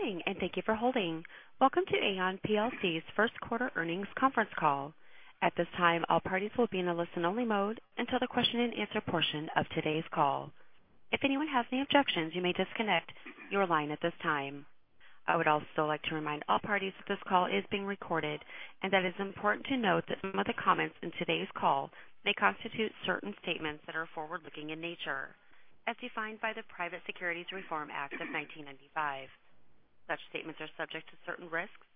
Good morning, and thank you for holding. Welcome to Aon plc's first quarter earnings conference call. At this time, all parties will be in a listen-only mode until the question and answer portion of today's call. If anyone has any objections, you may disconnect your line at this time. I would also like to remind all parties that this call is being recorded, and that it is important to note that some of the comments in today's call may constitute certain statements that are forward-looking in nature, as defined by the Private Securities Litigation Reform Act of 1995. Such statements are subject to certain risks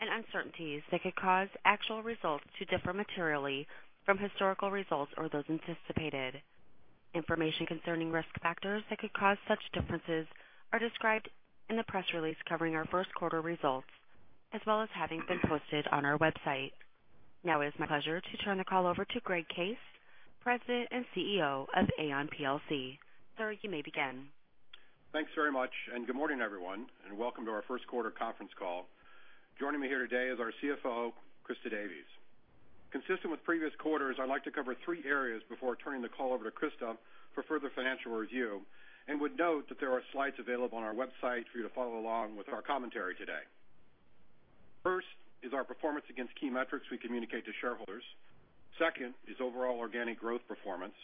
and uncertainties that could cause actual results to differ materially from historical results or those anticipated. Information concerning risk factors that could cause such differences are described in the press release covering our first quarter results, as well as having been posted on our website. It is my pleasure to turn the call over to Greg Case, President and Chief Executive Officer of Aon plc. Sir, you may begin. Thanks very much. Good morning, everyone, and welcome to our first quarter conference call. Joining me here today is our CFO, Christa Davies. Consistent with previous quarters, I'd like to cover three areas before turning the call over to Christa for further financial review, and would note that there are slides available on our website for you to follow along with our commentary today. First is our performance against key metrics we communicate to shareholders. Second is overall organic growth performance.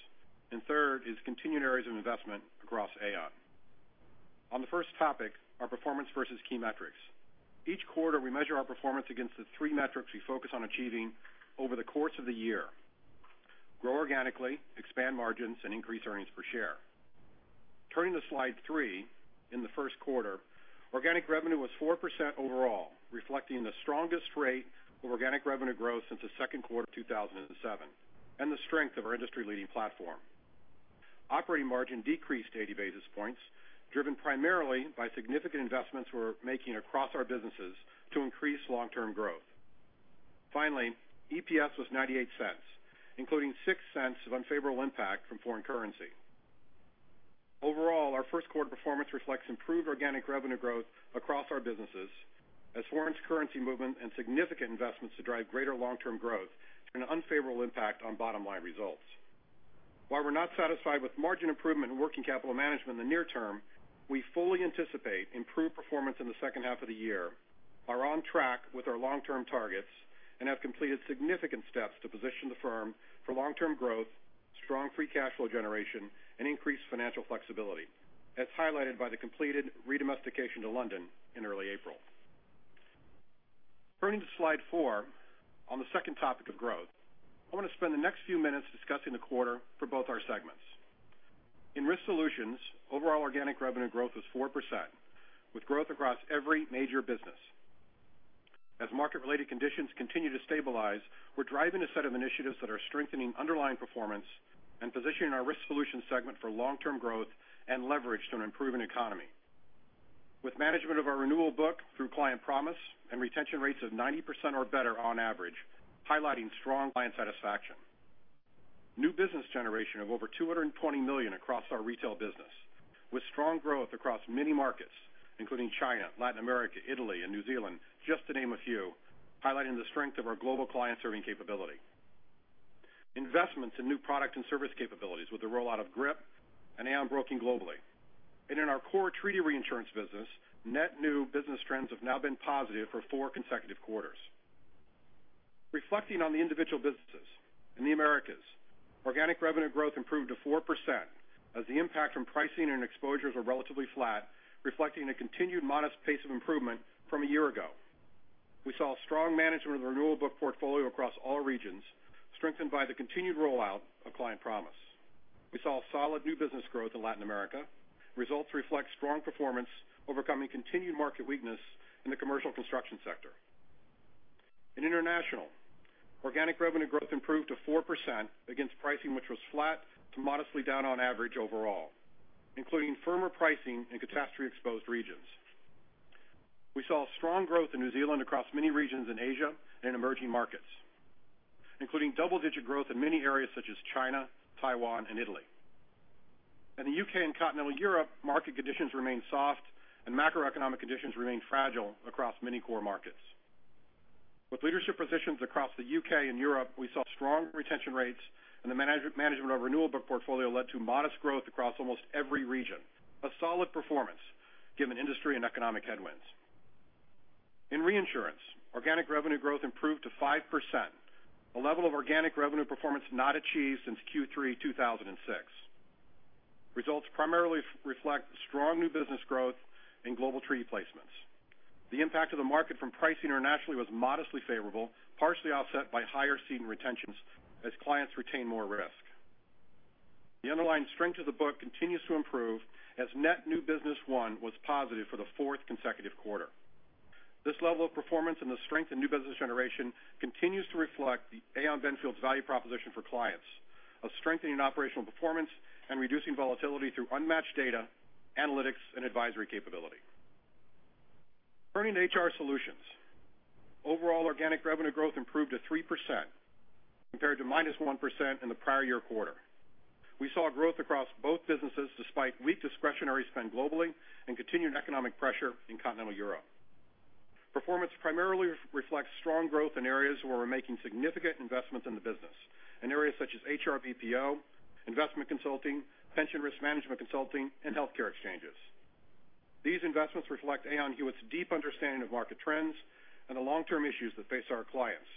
Third is continuing areas of investment across Aon. On the first topic, our performance versus key metrics. Each quarter, we measure our performance against the three metrics we focus on achieving over the course of the year: grow organically, expand margins, and increase earnings per share. Turning to slide three, in the first quarter, organic revenue was 4% overall, reflecting the strongest rate of organic revenue growth since the second quarter of 2007 and the strength of our industry-leading platform. Operating margin decreased 80 basis points, driven primarily by significant investments we're making across our businesses to increase long-term growth. Finally, EPS was $0.98, including $0.06 of unfavorable impact from foreign currency. Overall, our first quarter performance reflects improved organic revenue growth across our businesses as foreign currency movement and significant investments to drive greater long-term growth had an unfavorable impact on bottom-line results. While we're not satisfied with margin improvement and working capital management in the near term, we fully anticipate improved performance in the second half of the year, are on track with our long-term targets, and have completed significant steps to position the firm for long-term growth, strong free cash flow generation, and increased financial flexibility, as highlighted by the completed re-domestication to London in early April. Turning to slide four, on the second topic of growth, I want to spend the next few minutes discussing the quarter for both our segments. In Risk Solutions, overall organic revenue growth was 4%, with growth across every major business. As market-related conditions continue to stabilize, we're driving a set of initiatives that are strengthening underlying performance and positioning our Risk Solutions segment for long-term growth and leverage to an improving economy. With management of our renewal book through Client Promise and retention rates of 90% or better on average, highlighting strong client satisfaction. New business generation of over $220 million across our retail business, with strong growth across many markets, including China, Latin America, Italy, and New Zealand, just to name a few, highlighting the strength of our global client-serving capability. Investments in new product and service capabilities with the rollout of GRIP and Aon Broking globally. In our core treaty reinsurance business, net new business trends have now been positive for four consecutive quarters. Reflecting on the individual businesses in the Americas, organic revenue growth improved to 4% as the impact from pricing and exposures were relatively flat, reflecting a continued modest pace of improvement from a year ago. We saw strong management of the renewal book portfolio across all regions, strengthened by the continued rollout of Client Promise. We saw solid new business growth in Latin America. Results reflect strong performance overcoming continued market weakness in the commercial construction sector. In international, organic revenue growth improved to 4% against pricing, which was flat to modestly down on average overall, including firmer pricing in catastrophe-exposed regions. We saw strong growth in New Zealand across many regions in Asia and emerging markets, including double-digit growth in many areas such as China, Taiwan, and Italy. In the U.K. and continental Europe, market conditions remained soft, and macroeconomic conditions remained fragile across many core markets. With leadership positions across the U.K. and Europe, we saw strong retention rates and the management of renewal book portfolio led to modest growth across almost every region, a solid performance given industry and economic headwinds. In reinsurance, organic revenue growth improved to 5%, a level of organic revenue performance not achieved since Q3 2006. Results primarily reflect strong new business growth in global treaty placements. The impact of the market from pricing internationally was modestly favorable, partially offset by higher cede and retentions as clients retain more risk. The underlying strength of the book continues to improve as net new business won was positive for the fourth consecutive quarter. This level of performance and the strength in new business generation continues to reflect the Aon Benfield's value proposition for clients of strengthening operational performance and reducing volatility through unmatched data, analytics, and advisory capability. Turning to HR Solutions. Overall organic revenue growth improved to 3% compared to -1% in the prior year quarter. We saw growth across both businesses despite weak discretionary spend globally and continued economic pressure in continental Europe. Performance primarily reflects strong growth in areas where we're making significant investments in the business, in areas such as HR BPO, investment consulting, pension risk management consulting, and healthcare exchanges. These investments reflect Aon Hewitt's deep understanding of market trends and the long-term issues that face our clients,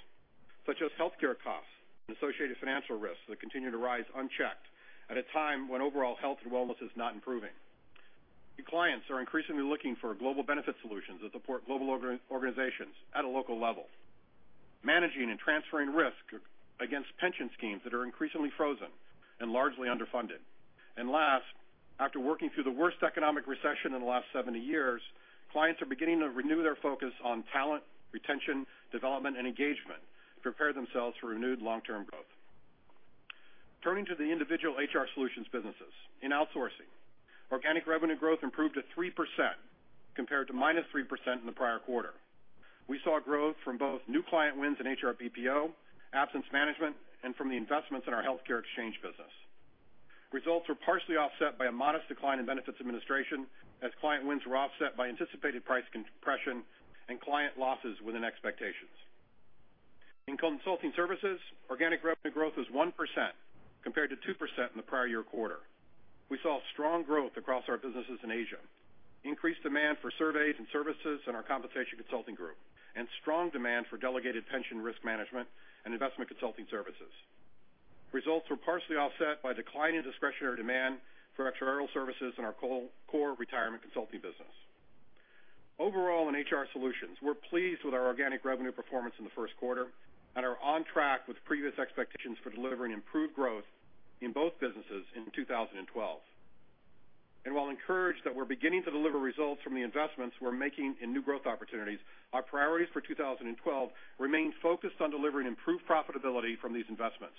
such as healthcare costs and associated financial risks that continue to rise unchecked at a time when overall health and wellness is not improving. The clients are increasingly looking for global benefit solutions that support global organizations at a local level, managing and transferring risk against pension schemes that are increasingly frozen and largely underfunded. Last, after working through the worst economic recession in the last 70 years, clients are beginning to renew their focus on talent, retention, development, and engagement to prepare themselves for renewed long-term growth. Turning to the individual HR Solutions businesses. In outsourcing, organic revenue growth improved to 3% compared to -3% in the prior quarter. We saw growth from both new client wins in HR BPO, absence management, and from the investments in our healthcare exchange business. Results were partially offset by a modest decline in benefits administration, as client wins were offset by anticipated price compression and client losses within expectations. In consulting services, organic revenue growth was 1% compared to 2% in the prior year quarter. We saw strong growth across our businesses in Asia, increased demand for surveys and services in our compensation consulting group, and strong demand for delegated pension risk management and investment consulting services. Results were partially offset by decline in discretionary demand for actuarial services in our core retirement consulting business. Overall, in HR Solutions, we're pleased with our organic revenue performance in the first quarter and are on track with previous expectations for delivering improved growth in both businesses in 2012. While encouraged that we're beginning to deliver results from the investments we're making in new growth opportunities, our priorities for 2012 remain focused on delivering improved profitability from these investments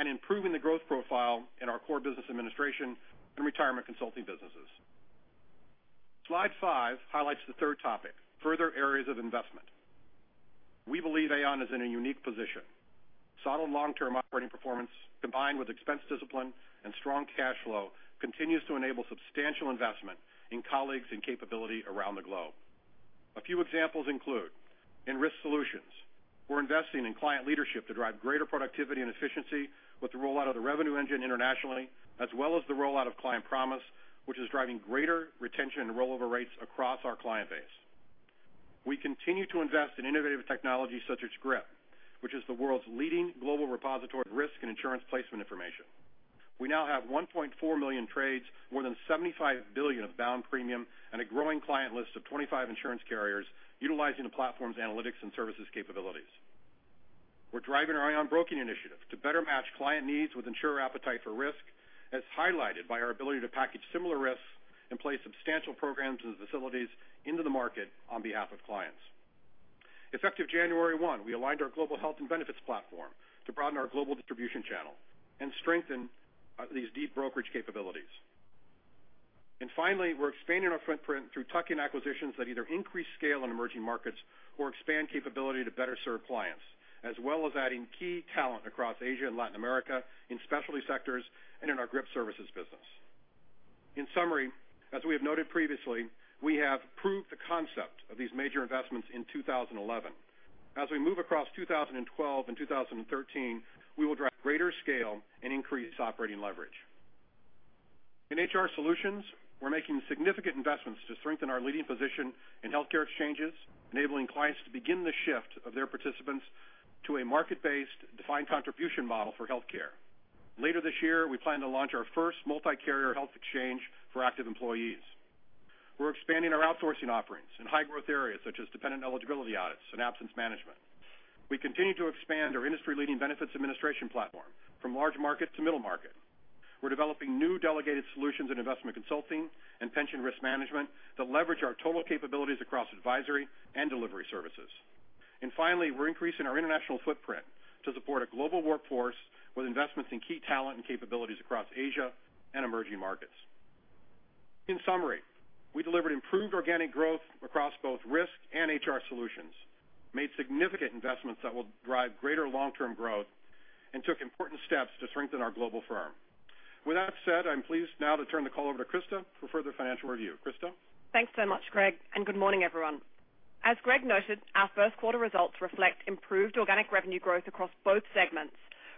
and improving the growth profile in our core business administration and retirement consulting businesses. Slide five highlights the third topic, further areas of investment. We believe Aon is in a unique position. Solid long-term operating performance, combined with expense discipline and strong cash flow, continues to enable substantial investment in colleagues and capability around the globe. A few examples include in Risk Solutions, we're investing in client leadership to drive greater productivity and efficiency with the rollout of the revenue engine internationally, as well as the rollout of Client Promise, which is driving greater retention and rollover rates across our client base. We continue to invest in innovative technology such as GRIP, which is the world's leading global repository of risk and insurance placement information. We now have 1.4 million trades, more than $75 billion of bound premium, and a growing client list of 25 insurance carriers utilizing the platform's analytics and services capabilities. We're driving our Aon Broking initiative to better match client needs with insurer appetite for risk, as highlighted by our ability to package similar risks and place substantial programs and facilities into the market on behalf of clients. Effective January 1, we aligned our global health and benefits platform to broaden our global distribution channel and strengthen these deep brokerage capabilities. Finally, we're expanding our footprint through tuck-in acquisitions that either increase scale in emerging markets or expand capability to better serve clients, as well as adding key talent across Asia and Latin America, in specialty sectors, and in our GRIP services business. In summary, as we have noted previously, we have proved the concept of these major investments in 2011. As we move across 2012 and 2013, we will drive greater scale and increase operating leverage. In HR Solutions, we're making significant investments to strengthen our leading position in healthcare exchanges, enabling clients to begin the shift of their participants to a market-based defined contribution model for healthcare. Later this year, we plan to launch our first multi-carrier health exchange for active employees. We're expanding our outsourcing offerings in high-growth areas such as dependent eligibility audits and absence management. We continue to expand our industry-leading benefits administration platform from large market to middle market. We're developing new delegated solutions in investment consulting and pension risk management that leverage our total capabilities across advisory and delivery services. Finally, we're increasing our international footprint to support a global workforce with investments in key talent and capabilities across Asia and emerging markets. In summary, we delivered improved organic growth across both Risk and HR Solutions, made significant investments that will drive greater long-term growth, and took important steps to strengthen our global firm. With that said, I'm pleased now to turn the call over to Christa for further financial review. Christa? Thanks so much, Greg, and good morning, everyone. As Greg noted, our first quarter results reflect improved organic revenue growth across both segments,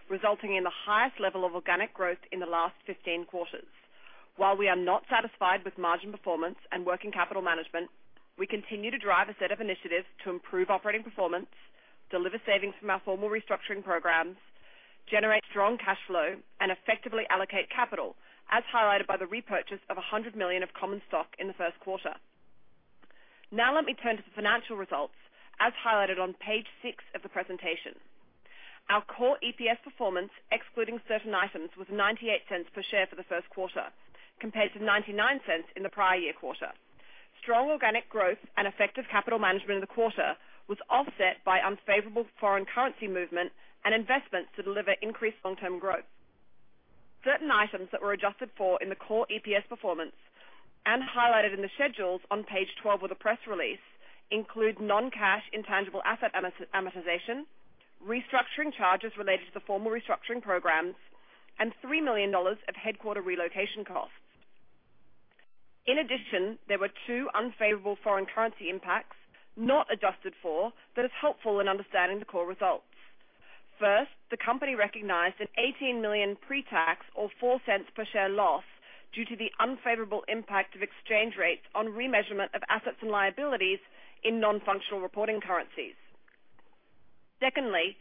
resulting in the highest level of organic growth in the last 15 quarters. While we are not satisfied with margin performance and working capital management, we continue to drive a set of initiatives to improve operating performance, deliver savings from our formal restructuring programs, generate strong cash flow, and effectively allocate capital, as highlighted by the repurchase of $100 million of common stock in the first quarter. Now let me turn to the financial results, as highlighted on page six of the presentation. Our core EPS performance, excluding certain items, was $0.98 per share for the first quarter, compared to $0.99 in the prior year quarter. Strong organic growth and effective capital management in the quarter was offset by unfavorable foreign currency movement and investments to deliver increased long-term growth. Certain items that were adjusted for in the core EPS performance and highlighted in the schedules on page 12 of the press release include non-cash intangible asset amortization, restructuring charges related to the formal restructuring programs, and $3 million of headquarter relocation costs. In addition, there were two unfavorable foreign currency impacts not adjusted for that is helpful in understanding the core results. First, the company recognized an $18 million pre-tax, or $0.04 per share loss due to the unfavorable impact of exchange rates on remeasurement of assets and liabilities in non-functional reporting currencies. Secondly,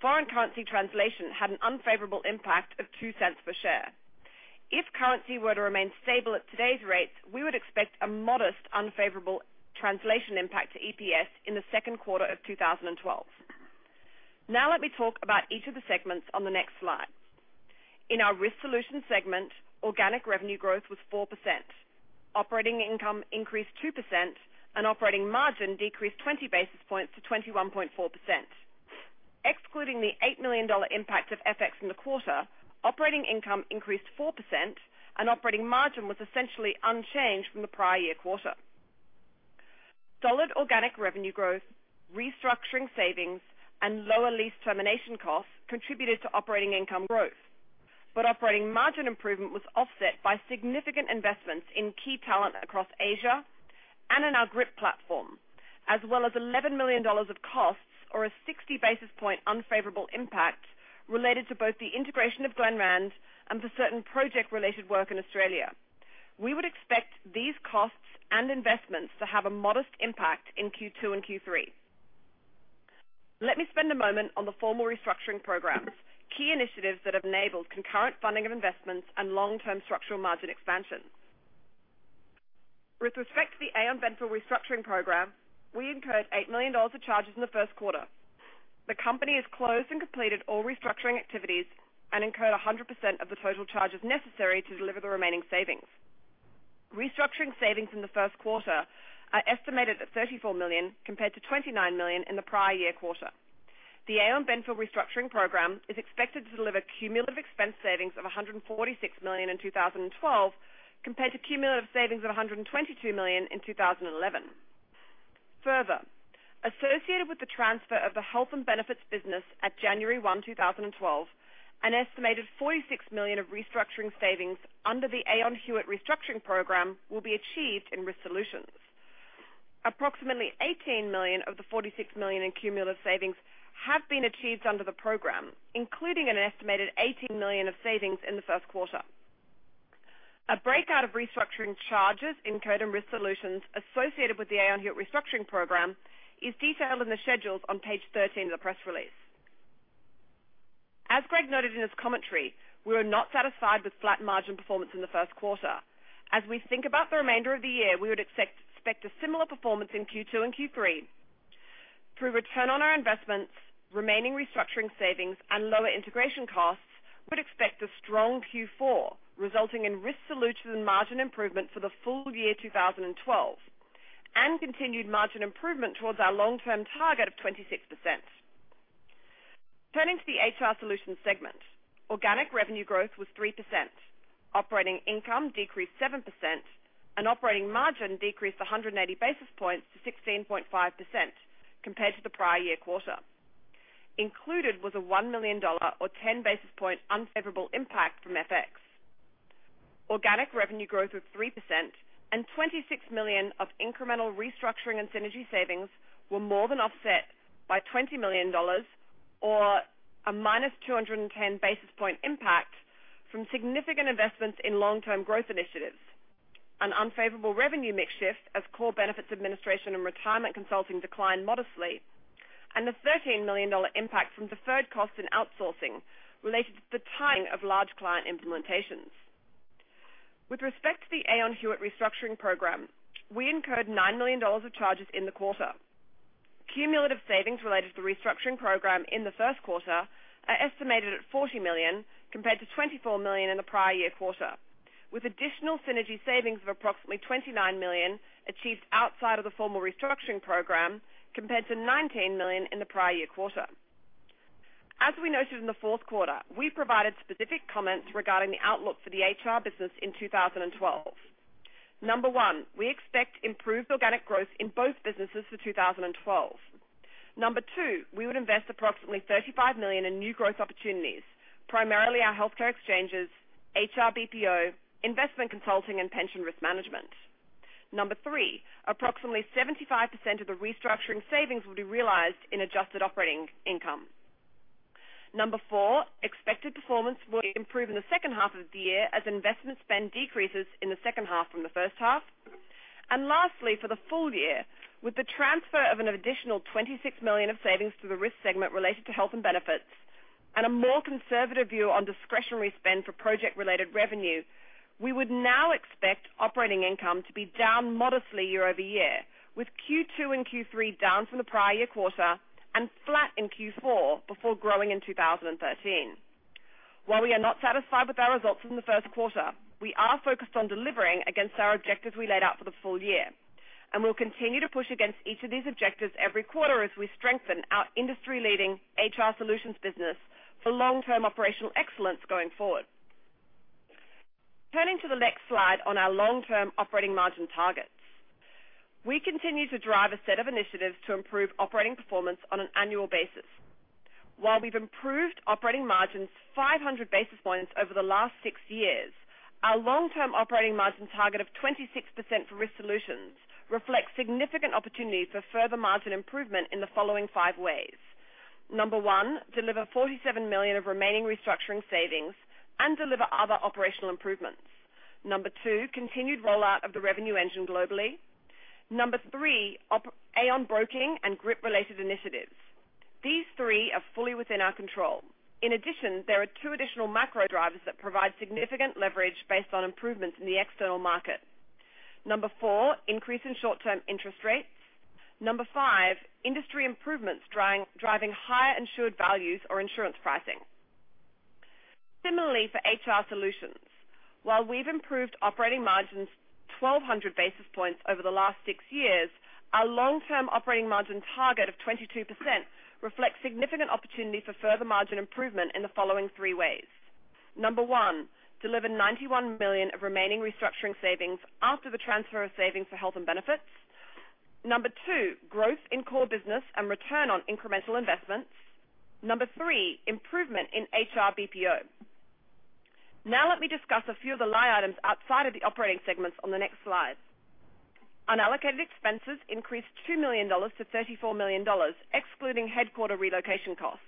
foreign currency translation had an unfavorable impact of $0.02 per share. If currency were to remain stable at today's rates, we would expect a modest unfavorable translation impact to EPS in the second quarter of 2012. Let me talk about each of the segments on the next slide. In our Risk Solutions segment, organic revenue growth was 4%. Operating income increased 2% and operating margin decreased 20 basis points to 21.4%. Excluding the $8 million impact of FX in the quarter, operating income increased 4% and operating margin was essentially unchanged from the prior year quarter. Solid organic revenue growth, restructuring savings, and lower lease termination costs contributed to operating income growth. Operating margin improvement was offset by significant investments in key talent across Asia and in our Aon Global Risk Insight Platform, as well as $11 million of costs, or a 60 basis point unfavorable impact related to both the integration of Glenrand and for certain project-related work in Australia. We would expect these costs and investments to have a modest impact in Q2 and Q3. Let me spend a moment on the formal restructuring programs, key initiatives that have enabled concurrent funding of investments and long-term structural margin expansions. With respect to the Aon Benfield restructuring program, we incurred $8 million of charges in the first quarter. The company has closed and completed all restructuring activities and incurred 100% of the total charges necessary to deliver the remaining savings. Restructuring savings in the first quarter are estimated at $34 million, compared to $29 million in the prior year quarter. The Aon Benfield restructuring program is expected to deliver cumulative expense savings of $146 million in 2012, compared to cumulative savings of $122 million in 2011. Associated with the transfer of the health and benefits business at January 1, 2012, an estimated $46 million of restructuring savings under the Aon Hewitt restructuring program will be achieved in Risk Solutions. Approximately $18 million of the $46 million in cumulative savings have been achieved under the program, including an estimated $18 million of savings in the first quarter. A breakout of restructuring charges incurred in Risk Solutions associated with the Aon Hewitt restructuring program is detailed in the schedules on page 13 of the press release. As Greg noted in his commentary, we are not satisfied with flat margin performance in the first quarter. As we think about the remainder of the year, we would expect a similar performance in Q2 and Q3. Through return on our investments, remaining restructuring savings, and lower integration costs, we would expect a strong Q4, resulting in Risk Solutions margin improvement for the full year 2012, and continued margin improvement towards our long-term target of 26%. Turning to the HR Solutions segment. Organic revenue growth was 3%. Operating income decreased 7% and operating margin decreased 180 basis points to 16.5% compared to the prior year quarter. Included was a $1 million, or 10 basis point unfavorable impact from FX. Organic revenue growth of 3% and $26 million of incremental restructuring and synergy savings were more than offset by $20 million or a minus 210 basis point impact from significant investments in long-term growth initiatives. An unfavorable revenue mix shift as core benefits administration and retirement consulting declined modestly and a $13 million impact from deferred costs in outsourcing related to the timing of large client implementations. With respect to the Aon Hewitt restructuring program, we incurred $9 million of charges in the quarter. Cumulative savings related to the restructuring program in the first quarter are estimated at $40 million, compared to $24 million in the prior year quarter, with additional synergy savings of approximately $29 million achieved outside of the formal restructuring program, compared to $19 million in the prior year quarter. As we noted in the fourth quarter, we provided specific comments regarding the outlook for the HR business in 2012. Number 1, we expect improved organic growth in both businesses for 2012. Number 2, we would invest approximately $35 million in new growth opportunities, primarily our healthcare exchanges, HR BPO, investment consulting, and pension risk management. Number 3, approximately 75% of the restructuring savings will be realized in adjusted operating income. Number 4, expected performance will improve in the second half of the year as investment spend decreases in the second half from the first half. Lastly, for the full year, with the transfer of an additional $26 million of savings to the Risk Solutions segment related to health and benefits and a more conservative view on discretionary spend for project-related revenue, we would now expect operating income to be down modestly year-over-year, with Q2 and Q3 down from the prior year quarter and flat in Q4 before growing in 2013. While we are not satisfied with our results from the first quarter, we are focused on delivering against our objectives we laid out for the full year, and we'll continue to push against each of these objectives every quarter as we strengthen our industry-leading HR Solutions business for long-term operational excellence going forward. Turning to the next slide on our long-term operating margin targets. We continue to drive a set of initiatives to improve operating performance on an annual basis. While we've improved operating margins 500 basis points over the last six years, our long-term operating margin target of 26% for Risk Solutions reflects significant opportunities for further margin improvement in the following five ways. Number 1, deliver $47 million of remaining restructuring savings and deliver other operational improvements. Number 2, continued rollout of the revenue engine globally. Number 3, Aon Broking and group-related initiatives. These three are fully within our control. In addition, there are two additional macro drivers that provide significant leverage based on improvements in the external market. Number 4, increase in short-term interest rates. Number 5, industry improvements driving higher insured values or insurance pricing. Similarly for HR Solutions, while we've improved operating margins 1,200 basis points over the last six years, our long-term operating margin target of 22% reflects significant opportunity for further margin improvement in the following three ways. Number 1, deliver $91 million of remaining restructuring savings after the transfer of savings for health and benefits. Number 2, growth in core business and return on incremental investments. Number 3, improvement in HR BPO. Now let me discuss a few of the line items outside of the operating segments on the next slide. Unallocated expenses increased $2 million to $34 million, excluding headquarter relocation costs.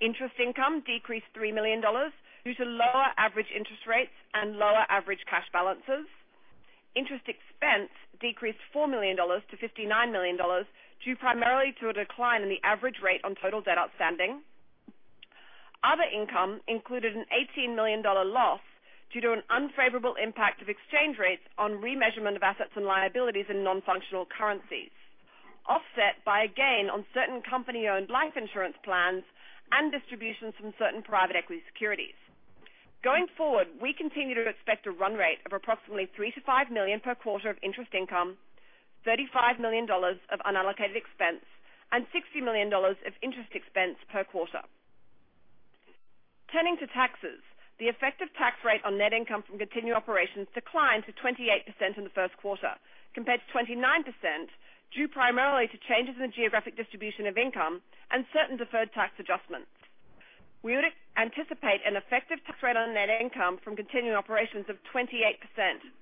Interest income decreased $3 million due to lower average interest rates and lower average cash balances. Interest expense decreased $4 million to $59 million due primarily to a decline in the average rate on total debt outstanding. Other income included an $18 million loss due to an unfavorable impact of exchange rates on remeasurement of assets and liabilities in non-functional currencies, offset by a gain on certain company-owned life insurance plans and distributions from certain private equity securities. Going forward, we continue to expect a run rate of approximately $3 million-$5 million per quarter of interest income, $35 million of unallocated expense, and $60 million of interest expense per quarter. Turning to taxes, the effective tax rate on net income from continuing operations declined to 28% in the first quarter, compared to 29%, due primarily to changes in the geographic distribution of income and certain deferred tax adjustments. We would anticipate an effective tax rate on net income from continuing operations of 28%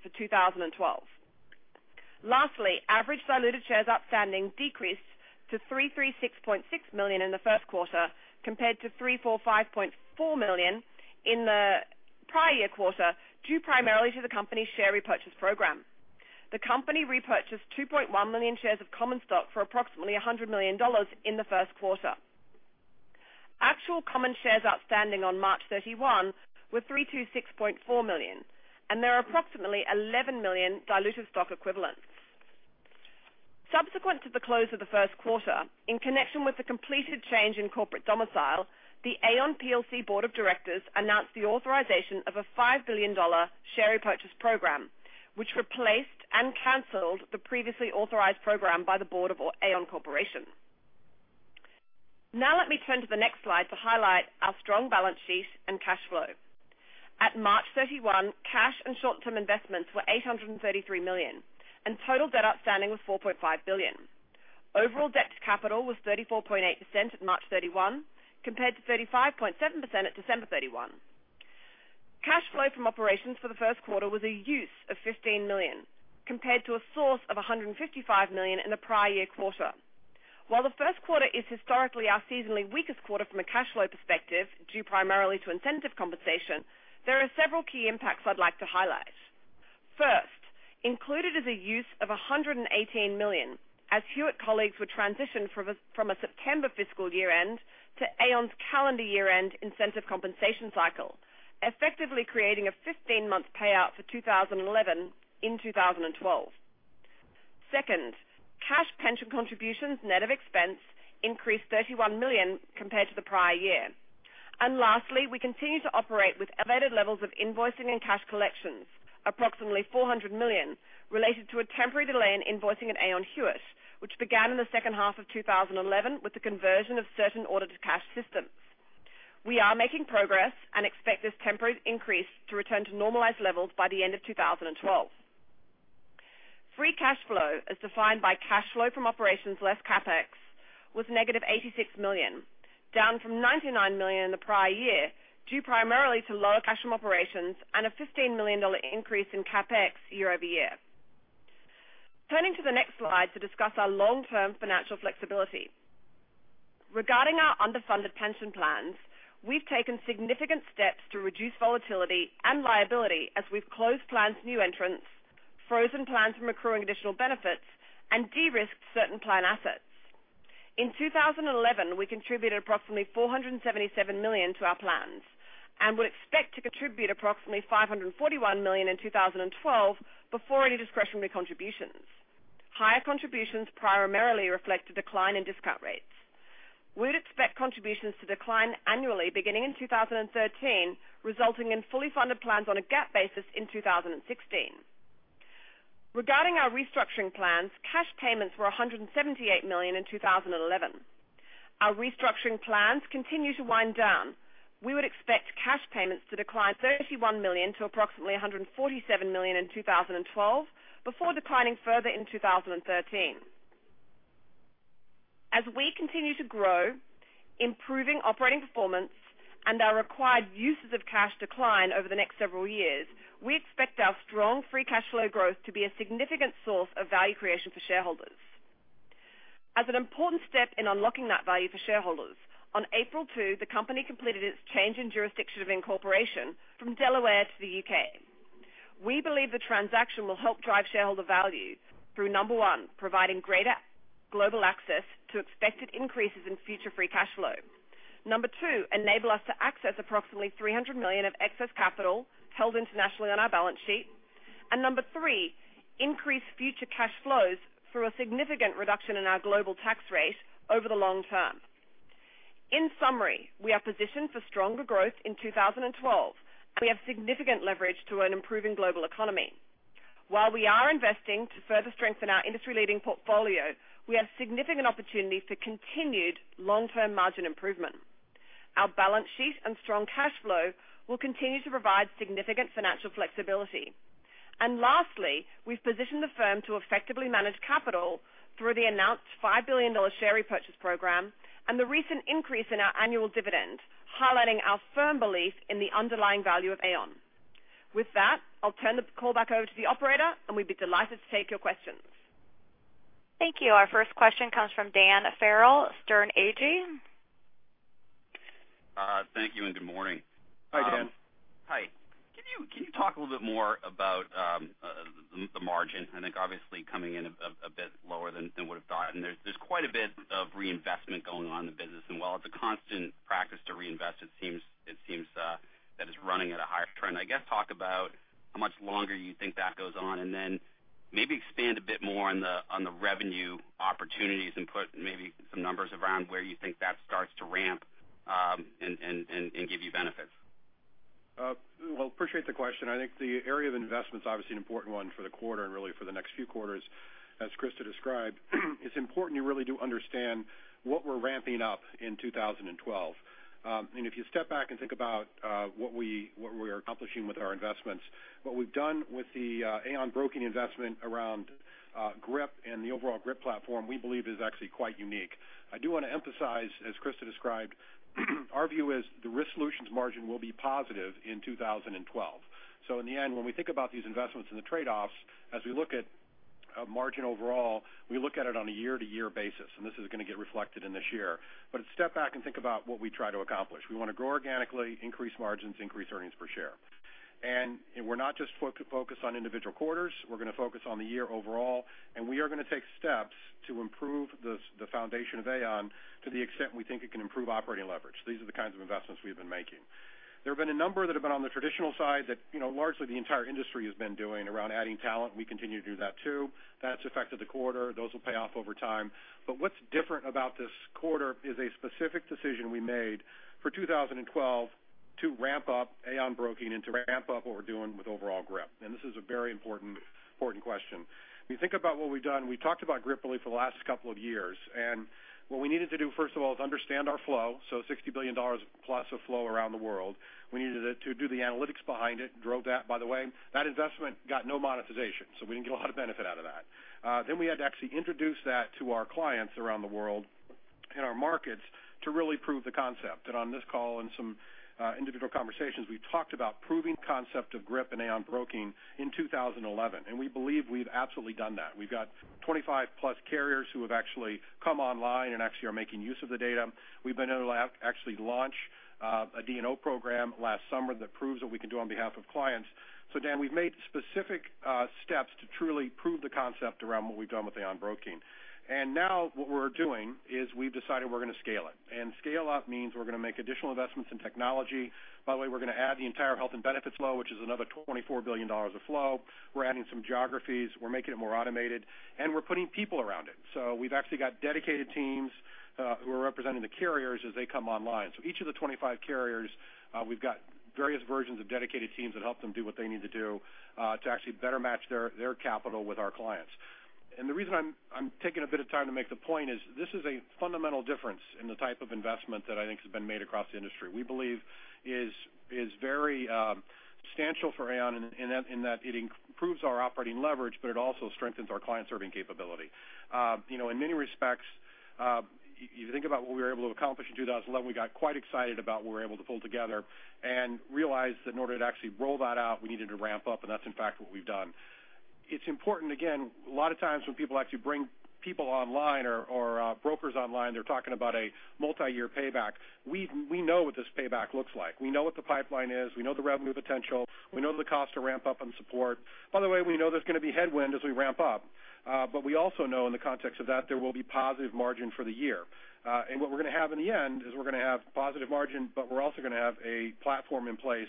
for 2012. Lastly, average diluted shares outstanding decreased to 336.6 million in the first quarter, compared to 345.4 million in the prior year quarter, due primarily to the company's share repurchase program. The company repurchased 2.1 million shares of common stock for approximately $100 million in the first quarter. Actual common shares outstanding on March 31 were 326.4 million, and there are approximately 11 million diluted stock equivalents. Subsequent to the close of the first quarter, in connection with the completed change in corporate domicile, the Aon plc Board of Directors announced the authorization of a $5 billion share repurchase program, which replaced and canceled the previously authorized program by the board of Aon Corporation. Let me turn to the next slide to highlight our strong balance sheet and cash flow. At March 31, cash and short-term investments were $833 million, and total debt outstanding was $4.5 billion. Overall debt to capital was 34.8% at March 31, compared to 35.7% at December 31. Cash flow from operations for the first quarter was a use of $15 million, compared to a source of $155 million in the prior year quarter. While the first quarter is historically our seasonally weakest quarter from a cash flow perspective, due primarily to incentive compensation, there are several key impacts I'd like to highlight. First, included is a use of $118 million, as Hewitt colleagues would transition from a September fiscal year end to Aon's calendar year end incentive compensation cycle, effectively creating a 15-month payout for 2011 in 2012. Second, cash pension contributions net of expense increased $31 million compared to the prior year. Lastly, we continue to operate with elevated levels of invoicing and cash collections, approximately $400 million, related to a temporary delay in invoicing at Aon Hewitt, which began in the second half of 2011 with the conversion of certain order to cash systems. We are making progress and expect this temporary increase to return to normalized levels by the end of 2012. Free cash flow, as defined by cash flow from operations less CapEx, was negative $86 million, down from $99 million in the prior year, due primarily to lower cash from operations and a $15 million increase in CapEx year-over-year. Turning to the next slide to discuss our long-term financial flexibility. Regarding our underfunded pension plans, we've taken significant steps to reduce volatility and liability as we've closed plans to new entrants, frozen plans from accruing additional benefits, and de-risked certain plan assets. In 2011, we contributed approximately $477 million to our plans and would expect to contribute approximately $541 million in 2012 before any discretionary contributions. Higher contributions primarily reflect a decline in discount rates. We would expect contributions to decline annually beginning in 2013, resulting in fully funded plans on a GAAP basis in 2016. Regarding our restructuring plans, cash payments were $178 million in 2011. Our restructuring plans continue to wind down. We would expect cash payments to decline $31 million to approximately $147 million in 2012, before declining further in 2013. As we continue to grow, improving operating performance, and our required uses of cash decline over the next several years, we expect our strong free cash flow growth to be a significant source of value creation for shareholders. As an important step in unlocking that value for shareholders, on April 2, the company completed its change in jurisdiction of incorporation from Delaware to the U.K. We believe the transaction will help drive shareholder value through, number one, providing greater global access to expected increases in future free cash flow. Number two, enable us to access approximately $300 million of excess capital held internationally on our balance sheet. Number three, increase future cash flows through a significant reduction in our global tax rate over the long term. In summary, we are positioned for stronger growth in 2012. We have significant leverage to an improving global economy. While we are investing to further strengthen our industry-leading portfolio, we have significant opportunities for continued long-term margin improvement. Our balance sheet and strong cash flow will continue to provide significant financial flexibility. Lastly, we've positioned the firm to effectively manage capital through the announced $5 billion share repurchase program and the recent increase in our annual dividend, highlighting our firm belief in the underlying value of Aon. With that, I'll turn the call back over to the operator, and we'd be delighted to take your questions. Thank you. Our first question comes from Dan Farrell, Sterne Agee. Thank you, good morning. Hi, Dan. Hi. Can you talk a little bit more about the margin? I think obviously coming in a bit lower than would have thought, there's quite a bit of reinvestment going on in the business. While it's a constant practice to reinvest, it seems that it's running at a higher trend. I guess, talk about how much longer you think that goes on, then maybe expand a bit more on the revenue opportunities and put maybe some numbers around where you think that starts to ramp and give you benefits. Well, appreciate the question. I think the area of investment is obviously an important one for the quarter and really for the next few quarters, as Christa described. It's important you really do understand what we're ramping up in 2012. If you step back and think about what we are accomplishing with our investments, what we've done with the Aon Broking investment around GRIP and the overall GRIP platform, we believe is actually quite unique. I do want to emphasize, as Christa described, our view is the Risk Solutions margin will be positive in 2012. In the end, when we think about these investments and the trade-offs, as we look at margin overall, we look at it on a year-to-year basis, this is going to get reflected in this year. Step back and think about what we try to accomplish. We want to grow organically, increase margins, increase earnings per share. We're not just focused on individual quarters. We are going to focus on the year overall, and we are going to take steps to improve the foundation of Aon to the extent we think it can improve operating leverage. These are the kinds of investments we've been making. There have been a number that have been on the traditional side that largely the entire industry has been doing around adding talent. We continue to do that, too. That's affected the quarter. Those will pay off over time. What's different about this quarter is a specific decision we made for 2012 to ramp up Aon Broking and to ramp up what we're doing with overall GRIP. This is a very important question. If you think about what we've done, we talked about GRIP really for the last couple of years. What we needed to do, first of all, is understand our flow, so $60 billion+ of flow around the world. We needed to do the analytics behind it, drove that, by the way. That investment got no monetization, so we didn't get a lot of benefit out of that. We had to actually introduce that to our clients around the world in our markets to really prove the concept. On this call, in some individual conversations, we talked about proving concept of GRIP and Aon Broking in 2011, and we believe we've absolutely done that. We've got 25+ carriers who have actually come online and actually are making use of the data. We've been able to actually launch a D&O program last summer that proves what we can do on behalf of clients. Dan, we've made specific steps to truly prove the concept around what we've done with Aon Broking. Now what we're doing is we've decided we're going to scale it. Scale up means we're going to make additional investments in technology. By the way, we're going to add the entire health and benefits flow, which is another $24 billion of flow. We're adding some geographies. We're making it more automated, and we're putting people around it. We've actually got dedicated teams who are representing the carriers as they come online. Each of the 25 carriers, we've got various versions of dedicated teams that help them do what they need to do to actually better match their capital with our clients. The reason I'm taking a bit of time to make the point is this is a fundamental difference in the type of investment that I think has been made across the industry. We believe is very substantial for Aon in that it improves our operating leverage, but it also strengthens our client-serving capability. In many respects, you think about what we were able to accomplish in 2011, we got quite excited about what we were able to pull together and realized that in order to actually roll that out, we needed to ramp up, and that's in fact what we've done. It's important, again, a lot of times when people actually bring people online or brokers online, they're talking about a multi-year payback. We know what this payback looks like. We know what the pipeline is. We know the revenue potential. We know the cost to ramp up and support. By the way, we know there's going to be headwind as we ramp up. We also know in the context of that, there will be positive margin for the year. What we're going to have in the end is we're going to have positive margin, but we're also going to have a platform in place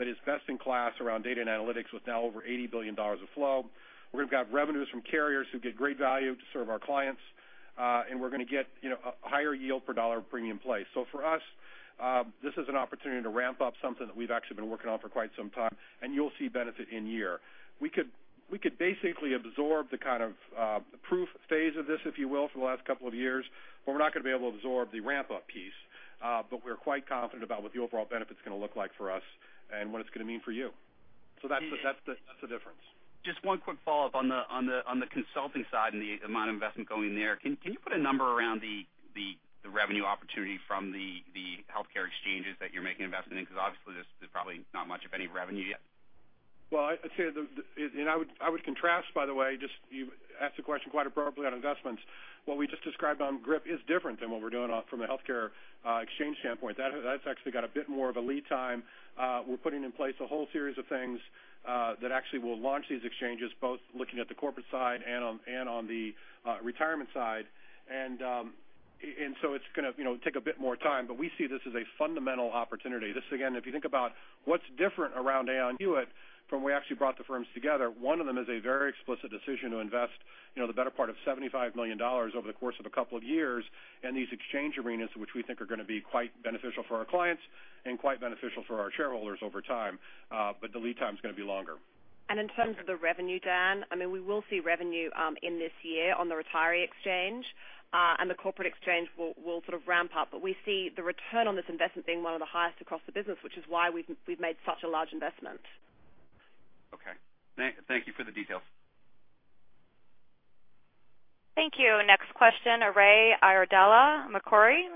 that is best in class around data and analytics with now over $80 billion of flow. We're going to have revenues from carriers who get great value to serve our clients, and we're going to get a higher yield per dollar of premium placed. For us, this is an opportunity to ramp up something that we've actually been working on for quite some time, and you'll see benefit in year. We could basically absorb the kind of proof phase of this, if you will, for the last couple of years, we're not going to be able to absorb the ramp-up piece. We're quite confident about what the overall benefit is going to look like for us and what it's going to mean for you. That's the difference. Just one quick follow-up on the consulting side and the amount of investment going there. Can you put a number around the revenue opportunity from the healthcare exchanges that you're making investment in? Because obviously, there's probably not much of any revenue yet. Well, I would contrast, by the way, you asked a question quite appropriately on investments. What we just described on GRIP is different than what we're doing from a healthcare exchange standpoint. That's actually got a bit more of a lead time. We're putting in place a whole series of things that actually will launch these exchanges, both looking at the corporate side and on the retirement side. It's going to take a bit more time, we see this as a fundamental opportunity. This, again, if you think about what's different around Aon Hewitt from when we actually brought the firms together, one of them is a very explicit decision to invest the better part of $75 million over the course of a couple of years in these exchange arenas, which we think are going to be quite beneficial for our clients and quite beneficial for our shareholders over time. The lead time is going to be longer. In terms of the revenue, Dan, we will see revenue in this year on the retiree exchange, the corporate exchange will sort of ramp up. We see the return on this investment being one of the highest across the business, which is why we've made such a large investment. Okay. Thank you for the details. Thank you. Next question, Sarah De Riel, Macquarie.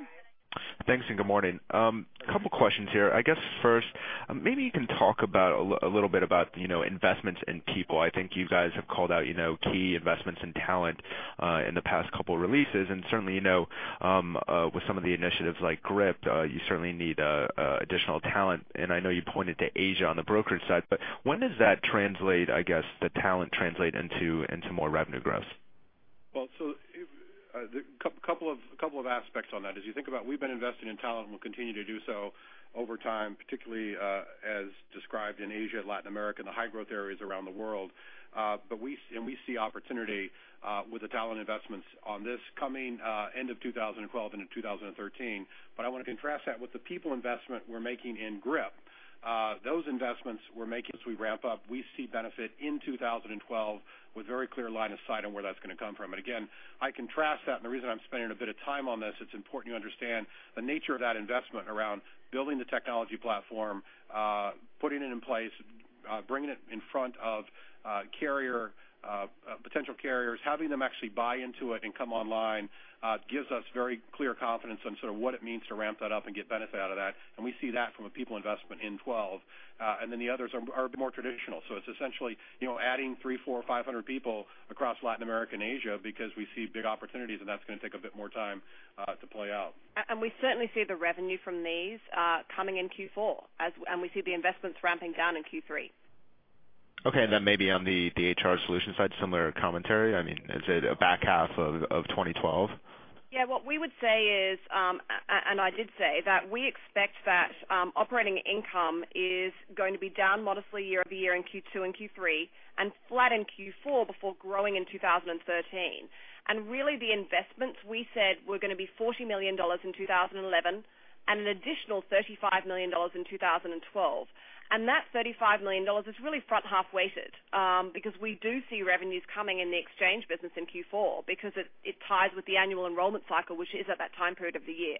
Thanks, good morning. Couple questions here. I guess first, maybe you can talk a little bit about investments in people. I think you guys have called out key investments in talent in the past couple of releases. Certainly, with some of the initiatives like GRIP, you certainly need additional talent. I know you pointed to Asia on the brokerage side, when does that translate, I guess, the talent translate into more revenue growth? A couple of aspects on that. As you think about we've been investing in talent, we'll continue to do so over time, particularly as described in Asia, Latin America, and the high-growth areas around the world. We see opportunity with the talent investments on this coming end of 2012 into 2013. I want to contrast that with the people investment we're making in GRIP. Those investments we're making as we ramp up, we see benefit in 2012 with very clear line of sight on where that's going to come from. Again, I contrast that, the reason I'm spending a bit of time on this, it's important you understand the nature of that investment around building the technology platform, putting it in place, bringing it in front of potential carriers, having them actually buy into it and come online, gives us very clear confidence on sort of what it means to ramp that up and get benefit out of that. We see that from a people investment in 2012. The others are a bit more traditional. It's essentially adding 300, 400, 500 people across Latin America and Asia because we see big opportunities, that's going to take a bit more time to play out. We certainly see the revenue from these coming in Q4, we see the investments ramping down in Q3. Okay, then maybe on the HR Solutions side, similar commentary? I mean, is it a back half of 2012? Yeah, what we would say is, I did say, that we expect that operating income is going to be down modestly year-over-year in Q2 and Q3 and flat in Q4 before growing in 2013. Really, the investments we said were going to be $40 million in 2011 and an additional $35 million in 2012. That $35 million is really front-half weighted because we do see revenues coming in the exchange business in Q4 because it ties with the annual enrollment cycle, which is at that time period of the year.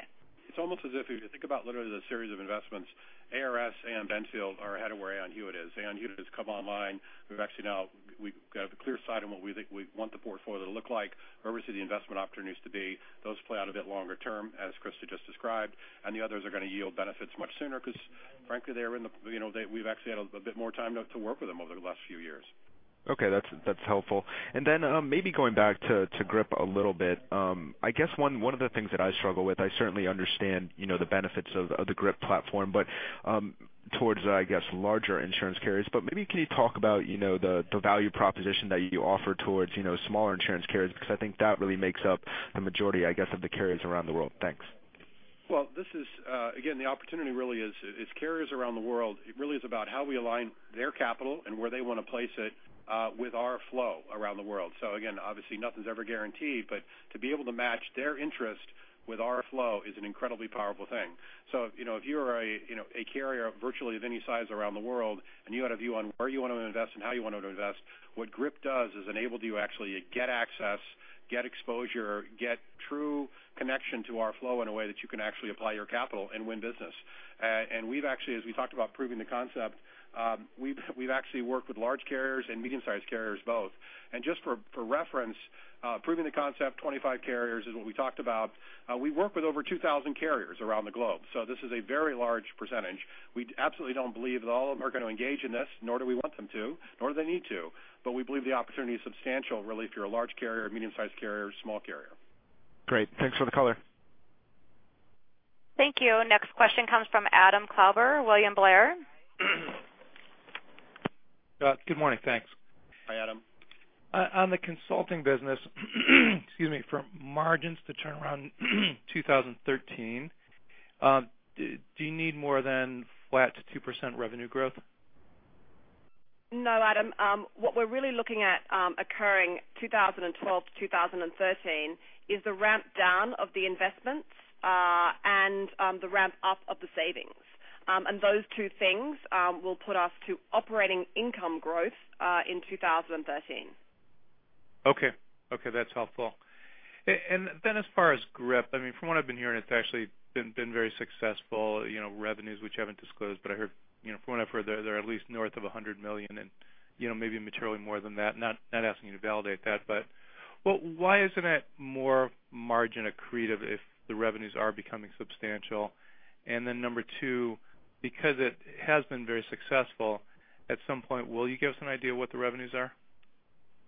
It's almost as if you think about literally the series of investments, ARS and Benfield are ahead of where Aon Hewitt is. Aon Hewitt has come online. We have a clear sight on what we think we want the portfolio to look like, where we see the investment opportunities to be. Those play out a bit longer term, as Christa just described, the others are going to yield benefits much sooner because frankly, we've actually had a bit more time to work with them over the last few years. Okay, that's helpful. Then maybe going back to GRIP a little bit. I guess one of the things that I struggle with, I certainly understand the benefits of the GRIP platform, towards, I guess, larger insurance carriers. Maybe can you talk about the value proposition that you offer towards smaller insurance carriers? Because I think that really makes up the majority, I guess, of the carriers around the world. Thanks. Again, the opportunity really is carriers around the world. It really is about how we align their capital and where they want to place it with our flow around the world. Again, obviously, nothing's ever guaranteed, but to be able to match their interest with our flow is an incredibly powerful thing. If you're a carrier virtually of any size around the world, and you had a view on where you want to invest and how you wanted to invest, what GRIP does is enables you actually to get access, get exposure, get true connection to our flow in a way that you can actually apply your capital and win business. We've actually, as we talked about proving the concept, we've actually worked with large carriers and medium-sized carriers both. Just for reference, proving the concept, 25 carriers is what we talked about. We work with over 2,000 carriers around the globe. This is a very large percentage. We absolutely don't believe that all of them are going to engage in this, nor do we want them to, nor do they need to. We believe the opportunity is substantial, really, if you're a large carrier, a medium-sized carrier, or a small carrier. Great. Thanks for the color. Thank you. Next question comes from Adam Klauber, William Blair. Good morning. Thanks. Hi, Adam. On the consulting business, excuse me, for margins to turn around 2013, do you need more than flat to 2% revenue growth? No, Adam. What we're really looking at occurring 2012 to 2013 is the ramp down of the investments and the ramp up of the savings. Those two things will put us to operating income growth in 2013. Okay. That's helpful. As far as Grip, from what I've been hearing, it's actually been very successful, revenues which you haven't disclosed, but I heard from what I've heard, they're at least north of $100 million and maybe materially more than that. Not asking you to validate that, why isn't it more margin accretive if the revenues are becoming substantial? Number 2, because it has been very successful, at some point, will you give us an idea what the revenues are?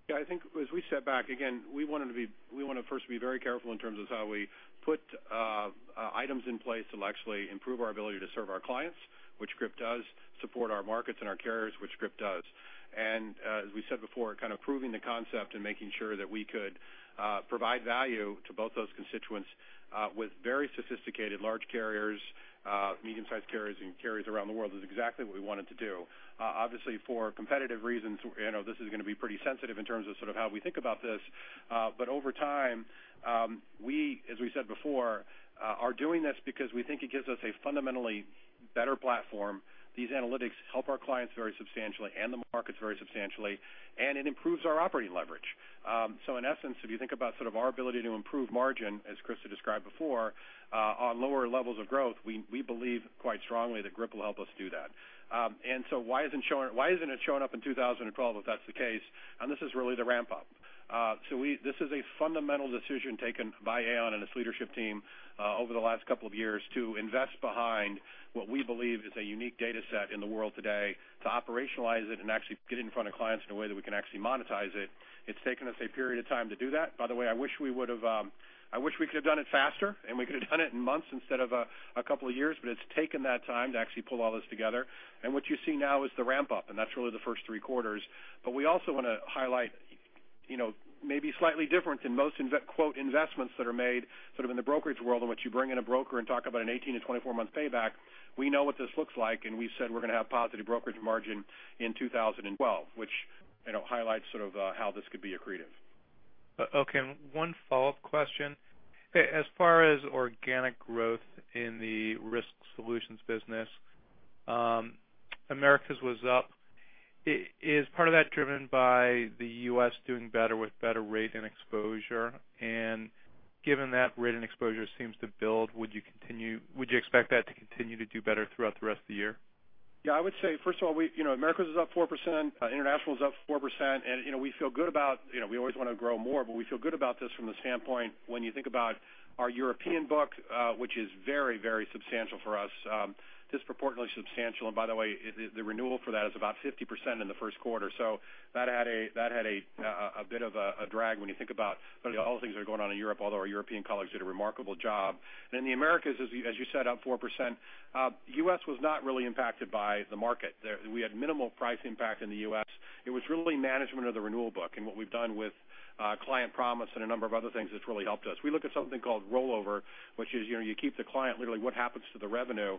Yeah, I think as we said back, again, we want to first be very careful in terms of how we put items in place to actually improve our ability to serve our clients, which Grip does, support our markets and our carriers, which Grip does. As we said before, kind of proving the concept and making sure that we could provide value to both those constituents with very sophisticated large carriers, medium-sized carriers, and carriers around the world is exactly what we wanted to do. Obviously, for competitive reasons, this is going to be pretty sensitive in terms of how we think about this. Over time, we, as we said before, are doing this because we think it gives us a fundamentally better platform. These analytics help our clients very substantially and the markets very substantially, and it improves our operating leverage. In essence, if you think about our ability to improve margin, as Christa described before, on lower levels of growth, we believe quite strongly that Grip will help us do that. Why isn't it showing up in 2012 if that's the case? This is really the ramp up. This is a fundamental decision taken by Aon and its leadership team over the last couple of years to invest behind what we believe is a unique data set in the world today to operationalize it and actually get it in front of clients in a way that we can actually monetize it. It's taken us a period of time to do that. By the way, I wish we could have done it faster, and we could have done it in months instead of a couple of years, but it's taken that time to actually pull all this together. What you see now is the ramp up, and that's really the first three quarters. We also want to highlight maybe slightly different than most "investments" that are made in the brokerage world, in which you bring in a broker and talk about an 18-24-month payback. We know what this looks like, and we said we're going to have positive brokerage margin in 2012, which highlights how this could be accretive. Okay, one follow-up question. As far as organic growth in the Risk Solutions business, Americas was up. Is part of that driven by the U.S. doing better with better rate and exposure? Given that rate and exposure seems to build, would you expect that to continue to do better throughout the rest of the year? Yeah, I would say, first of all, Americas is up 4%, international is up 4%. We always want to grow more, but we feel good about this from the standpoint when you think about our European book, which is very substantial for us, disproportionately substantial. By the way, the renewal for that is about 50% in the first quarter. That had a bit of a drag when you think about all the things that are going on in Europe, although our European colleagues did a remarkable job. The Americas, as you said, up 4%. U.S. was not really impacted by the market there. We had minimal price impact in the U.S. It was really management of the renewal book and what we've done with Aon Client Promise and a number of other things that's really helped us. We look at something called rollover, which is you keep the client, literally what happens to the revenue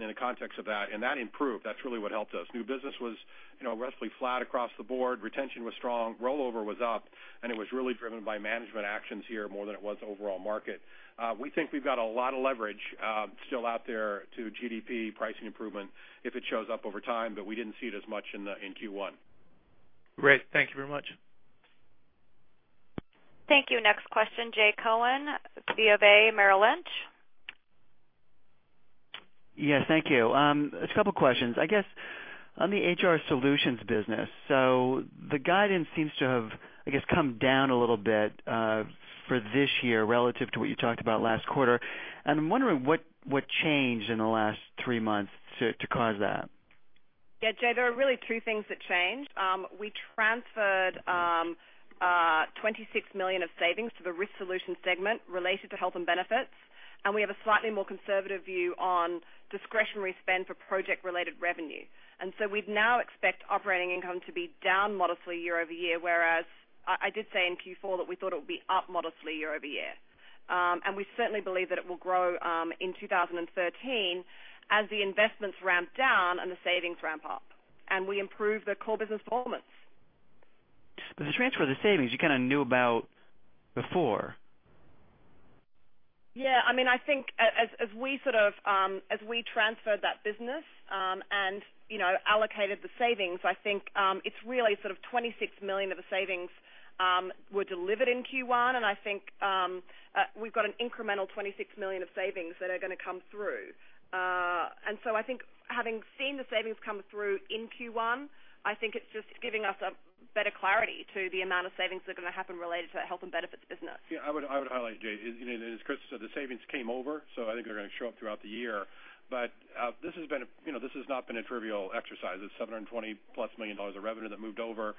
in the context of that. That improved. That's really what helped us. New business was roughly flat across the board. Retention was strong. Rollover was up. It was really driven by management actions here more than it was overall market. We think we've got a lot of leverage still out there to GDP pricing improvement if it shows up over time, but we didn't see it as much in Q1. Great. Thank you very much. Thank you. Next question, Jay Cohen, Bank of America Merrill Lynch. Yes. Thank you. Just a couple of questions. I guess on the HR Solutions business. The guidance seems to have, I guess, come down a little bit for this year relative to what you talked about last quarter. I'm wondering what changed in the last three months to cause that? Jay, there are really two things that changed. We transferred $26 million of savings to the Risk Solutions segment related to Health & Benefits, we have a slightly more conservative view on discretionary spend for project-related revenue. We now expect operating income to be down modestly year-over-year, whereas I did say in Q4 that we thought it would be up modestly year-over-year. We certainly believe that it will grow in 2013 as the investments ramp down and the savings ramp up, and we improve the core business performance. The transfer, the savings you kind of knew about before. I think as we transferred that business and allocated the savings, I think it's really $26 million of the savings were delivered in Q1, I think we've got an incremental $26 million of savings that are going to come through. I think having seen the savings come through in Q1, I think it's just giving us a better clarity to the amount of savings that are going to happen related to the health and benefits business. I would highlight, Jay, as Christa said, the savings came over, so I think they're going to show up throughout the year. This has not been a trivial exercise. It's $720 million-plus of revenue that moved over.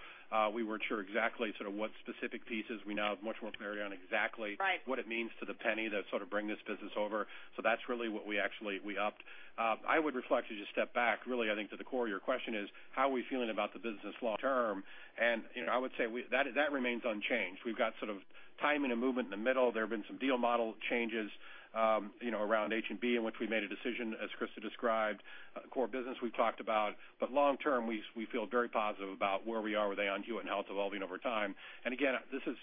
We weren't sure exactly what specific pieces. We now have much more clarity on exactly- Right what it means to the penny to bring this business over. That's really what we actually upped. I would reflect as you step back, to the core of your question is how are we feeling about the business long term? I would say that remains unchanged. We've got timing and movement in the middle. There have been some deal model changes around H&B in which we made a decision, as Christa described, core business we've talked about. Long term, we feel very positive about where we are with Aon Hewitt and how it's evolving over time. Again,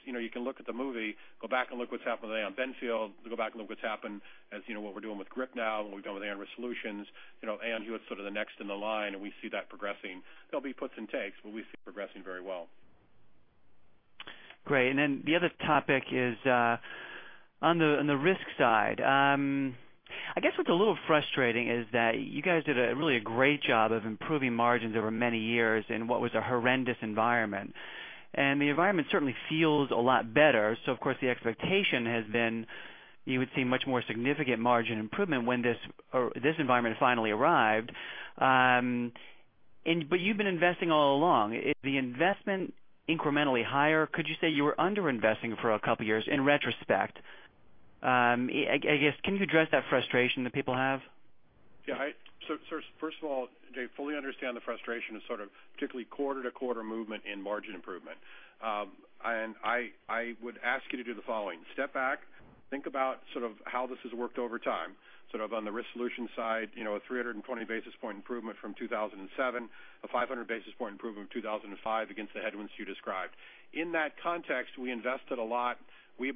you can look at the movie, go back and look what's happened with Aon Benfield, go back and look what's happened as what we're doing with Grip now, what we've done with Aon Risk Solutions. Aon Hewitt's the next in the line, we see that progressing. There'll be puts and takes, we see it progressing very well. Great. The other topic is on the risk side. What's a little frustrating is that you guys did a really great job of improving margins over many years in what was a horrendous environment. The environment certainly feels a lot better. Of course, the expectation has been you would see much more significant margin improvement when this environment finally arrived. You've been investing all along. Is the investment incrementally higher? Could you say you were under-investing for a couple of years in retrospect? Can you address that frustration that people have? First of all, Jay, fully understand the frustration of sort of particularly quarter-to-quarter movement in margin improvement. I would ask you to do the following, step back, think about how this has worked over time, sort of on the risk solution side, a 320 basis point improvement from 2007, a 500 basis point improvement in 2005 against the headwinds you described. In that context, we invested a lot.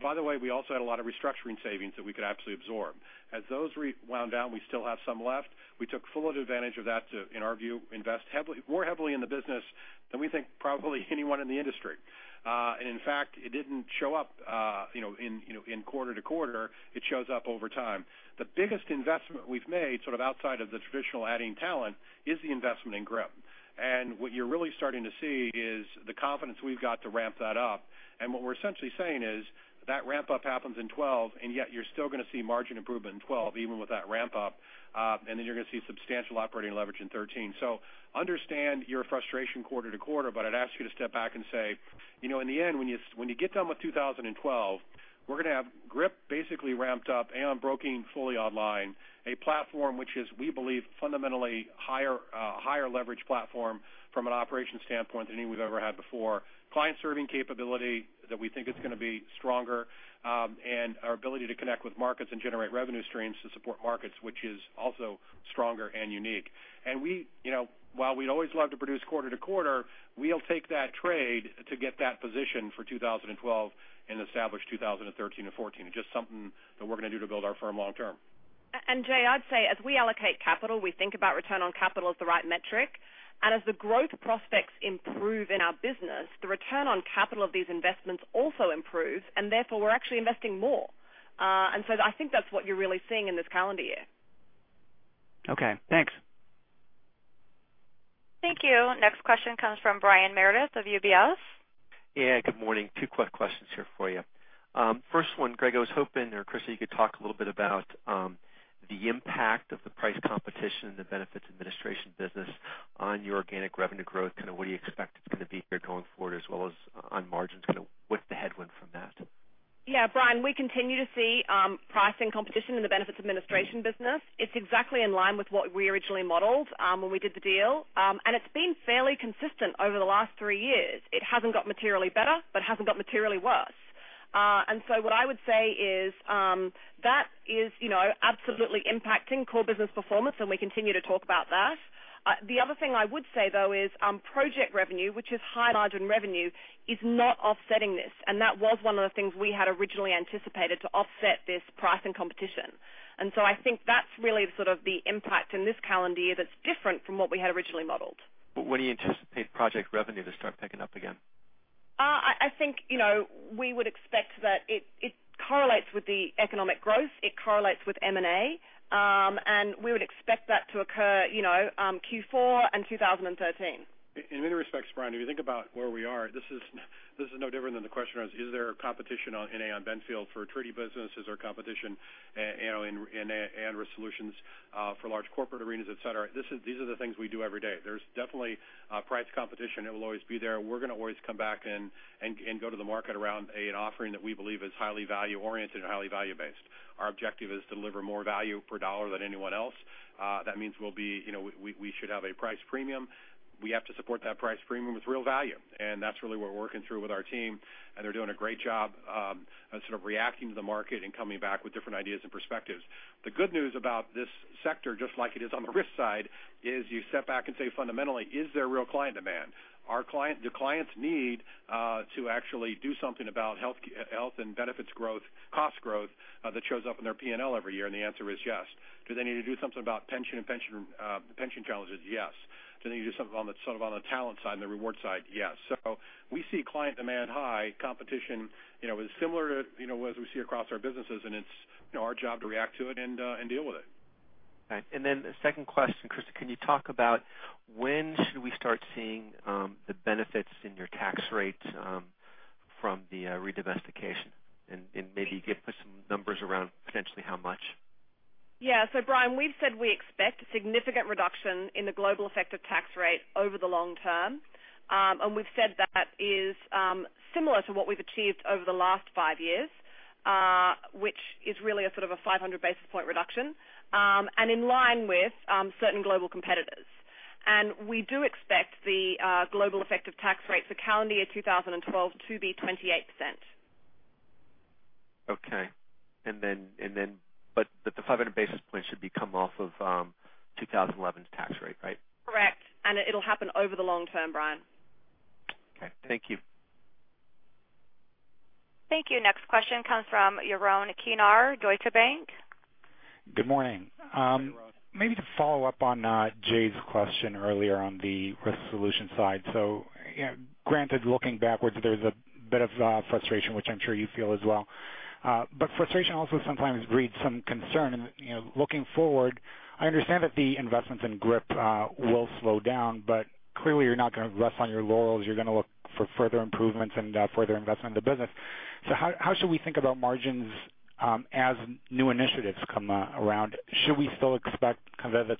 By the way, we also had a lot of restructuring savings that we could actually absorb. As those wound down, we still have some left. We took full advantage of that to, in our view, invest more heavily in the business than we think probably anyone in the industry. In fact, it didn't show up in quarter to quarter, it shows up over time. The biggest investment we've made outside of the traditional adding talent is the investment in GRIP. What you're really starting to see is the confidence we've got to ramp that up. What we're essentially saying is that ramp up happens in 2012, yet you're still going to see margin improvement in 2012, even with that ramp up. You're going to see substantial operating leverage in 2013. Understand your frustration quarter to quarter, I'd ask you to step back and say, in the end, when you get done with 2012, we're going to have GRIP basically ramped up, Aon Broking fully online, a platform which is, we believe, fundamentally higher leverage platform from an operation standpoint than any we've ever had before. Client serving capability that we think is going to be stronger, our ability to connect with markets and generate revenue streams to support markets, which is also stronger and unique. While we'd always love to produce quarter to quarter, we'll take that trade to get that position for 2012 and establish 2013 and 2014. It's just something that we're going to do to build our firm long term. Jay, I'd say as we allocate capital, we think about return on capital as the right metric. As the growth prospects improve in our business, the return on capital of these investments also improves, and therefore we're actually investing more. I think that's what you're really seeing in this calendar year. Okay, thanks. Thank you. Next question comes from Brian Meredith of UBS. Good morning. Two quick questions here for you. First one, Greg, I was hoping, or Christa, you could talk a little bit about the impact of the price competition in the benefits administration business on your organic revenue growth, kind of what do you expect it's going to be here going forward, as well as on margins, kind of what's the headwind from that? Brian, we continue to see pricing competition in the benefits administration business. It's exactly in line with what we originally modeled when we did the deal, and it's been fairly consistent over the last three years. It hasn't got materially better, but it hasn't got materially worse. What I would say is that is absolutely impacting core business performance, and we continue to talk about that. The other thing I would say, though, is project revenue, which is high margin revenue, is not offsetting this. That was one of the things we had originally anticipated to offset this pricing competition. I think that's really sort of the impact in this calendar year that's different from what we had originally modeled. When do you anticipate project revenue to start picking up again? I think we would expect that it correlates with the economic growth, it correlates with M&A. We would expect that to occur Q4 and 2013. In many respects, Brian, if you think about where we are, this is no different than the question was, is there competition in Aon Benfield for treaty business? Is there competition in Risk Solutions for large corporate arenas, et cetera? These are the things we do every day. There's definitely price competition. It will always be there. We're going to always come back and go to the market around an offering that we believe is highly value-oriented and highly value-based. Our objective is to deliver more value per dollar than anyone else. That means we should have a price premium. We have to support that price premium with real value. That's really what we're working through with our team, and they're doing a great job of reacting to the market and coming back with different ideas and perspectives. The good news about this sector, just like it is on the risk side, is you step back and say, fundamentally, is there real client demand? Do clients need to actually do something about health and benefits cost growth that shows up in their P&L every year? The answer is yes. Do they need to do something about pension challenges? Yes. Do they need to do something on the talent side and the reward side? Yes. We see client demand high, competition is similar to what we see across our businesses, and it's our job to react to it and deal with it. Right. The second question, Christa, can you talk about when should we start seeing the benefits in your tax rate from the re-domestication? Maybe you could put some numbers around potentially how much. Brian, we've said we expect significant reduction in the global effective tax rate over the long term. We've said that is similar to what we've achieved over the last five years, which is really a sort of a 500 basis point reduction, and in line with certain global competitors. We do expect the global effective tax rate for calendar year 2012 to be 28%. Okay. The 500 basis points should come off of 2011's tax rate, right? Correct. It'll happen over the long term, Brian. Okay. Thank you. Thank you. Next question comes from Yaron Kinar, Deutsche Bank. Good morning. Good morning, Yaron. Maybe to follow up on Jay's question earlier on the Risk Solutions side. Granted, looking backwards, there's a bit of frustration, which I'm sure you feel as well. Frustration also sometimes breeds some concern. Looking forward, I understand that the investments in GRIP will slow down, clearly you're not going to rest on your laurels. You're going to look for further improvements and further investment in the business. How should we think about margins as new initiatives come around? Should we still expect the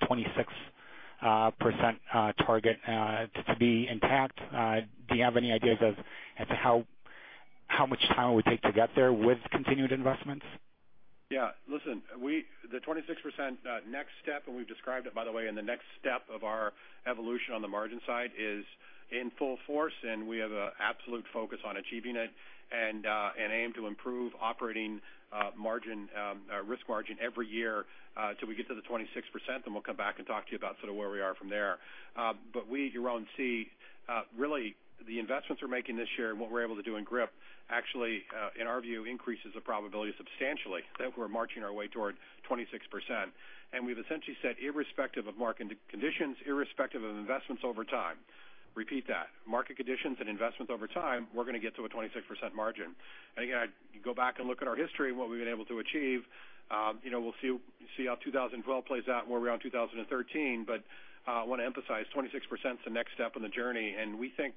26% target to be intact? Do you have any ideas as to how much time it would take to get there with continued investments? Listen, the 26% next step, and we've described it by the way, in the next step of our evolution on the margin side is in full force, and we have an absolute focus on achieving it and aim to improve operating risk margin every year till we get to the 26%. We'll come back and talk to you about sort of where we are from there. We, Yaron, see really the investments we're making this year and what we're able to do in GRIP actually, in our view, increases the probability substantially that we're marching our way toward 26%. We've essentially said irrespective of market conditions, irrespective of investments over time, repeat that, market conditions and investments over time, we're going to get to a 26% margin. Again, you go back and look at our history and what we've been able to achieve. We'll see how 2012 plays out and where we are in 2013. I want to emphasize 26% is the next step in the journey, and we think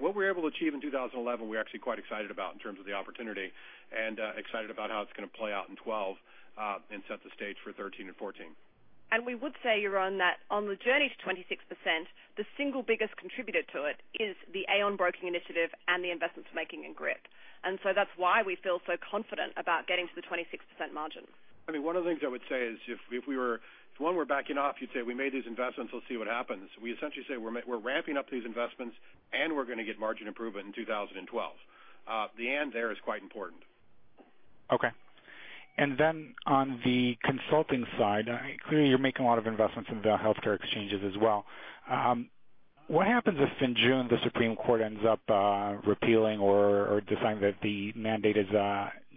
what we were able to achieve in 2011, we're actually quite excited about in terms of the opportunity and excited about how it's going to play out in 2012 and set the stage for 2013 and 2014. We would say, Yaron, that on the journey to 26%, the single biggest contributor to it is the Aon Broking initiative and the investments we're making in GRIP. That's why we feel so confident about getting to the 26% margin. One of the things I would say is if one were backing off, you'd say, we made these investments, let's see what happens. We essentially say we're ramping up these investments, and we're going to get margin improvement in 2012. There is quite important. Okay. On the consulting side, clearly you're making a lot of investments in the healthcare exchanges as well. What happens if in June the Supreme Court ends up repealing or deciding that the mandate is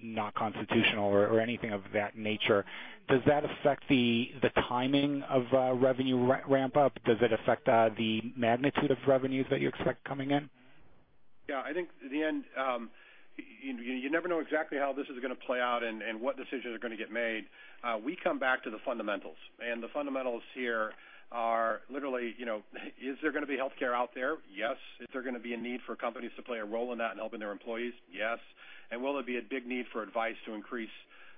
not constitutional or anything of that nature? Does that affect the timing of revenue ramp up? Does it affect the magnitude of revenues that you expect coming in? Yeah, I think in the end you never know exactly how this is going to play out and what decisions are going to get made. We come back to the fundamentals, and the fundamentals here are literally, is there going to be healthcare out there? Yes. Is there going to be a need for companies to play a role in that in helping their employees? Yes. Will there be a big need for advice to increase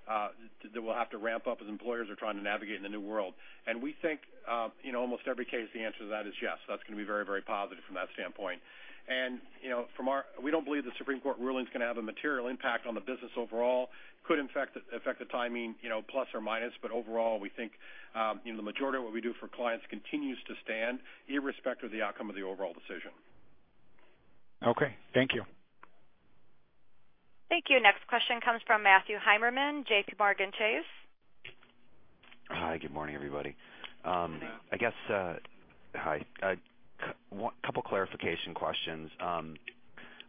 that we'll have to ramp up as employers are trying to navigate in the new world? We think almost every case, the answer to that is yes. That's going to be very positive from that standpoint. We don't believe the Supreme Court ruling is going to have a material impact on the business overall. Could affect the timing plus or minus, overall, we think the majority of what we do for clients continues to stand irrespective of the outcome of the overall decision. Okay, thank you. Thank you. Next question comes from Matthew Heimerman, JPMorgan Chase. Hi, good morning, everybody. Good morning. Hi. A couple clarification questions.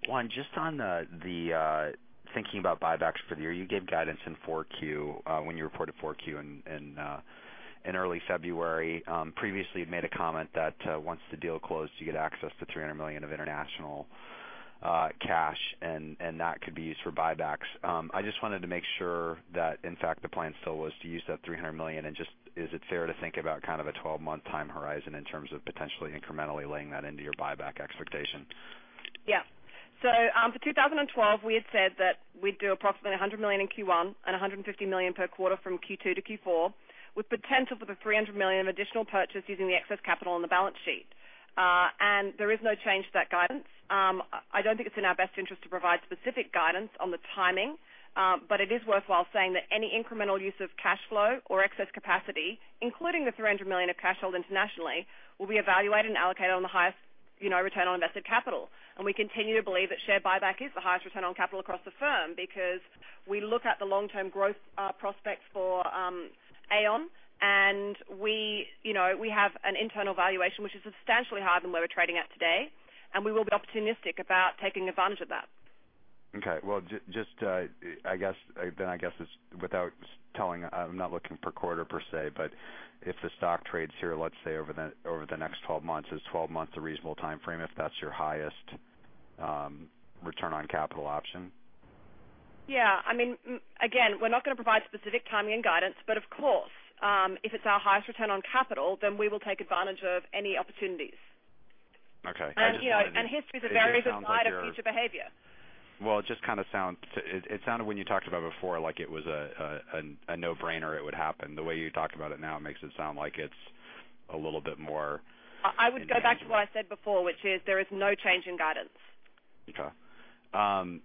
One, just on the thinking about buybacks for the year, you gave guidance in Q4 when you reported Q4 in early February. Previously you've made a comment that once the deal closed, you get access to $300 million of international cash, and that could be used for buybacks. I just wanted to make sure that in fact the plan still was to use that $300 million, and just is it fair to think about kind of a 12-month time horizon in terms of potentially incrementally laying that into your buyback expectation? Yeah. For 2012, we had said that we'd do approximately $100 million in Q1 and $150 million per quarter from Q2 to Q4, with potential for the $300 million of additional purchase using the excess capital on the balance sheet. There is no change to that guidance. I don't think it's in our best interest to provide specific guidance on the timing. It is worthwhile saying that any incremental use of cash flow or excess capacity, including the $300 million of cash held internationally, will be evaluated and allocated on the highest return on invested capital. We continue to believe that share buyback is the highest return on capital across the firm because we look at the long-term growth prospects for Aon, and we have an internal valuation which is substantially higher than where we're trading at today, and we will be opportunistic about taking advantage of that. Okay. I guess it's without telling, I'm not looking per quarter per se, but if the stock trades here, let's say over the next 12 months, is 12 months a reasonable timeframe if that's your highest return on capital option? Yeah. Again, we're not going to provide specific timing and guidance, but of course, if it's our highest return on capital, then we will take advantage of any opportunities. Okay. I just wanted to- History is a very good guide of future behavior. It sounded when you talked about it before like it was a no-brainer it would happen. The way you talk about it now makes it sound like it's a little bit more intentional. I would go back to what I said before, which is there is no change in guidance. Okay.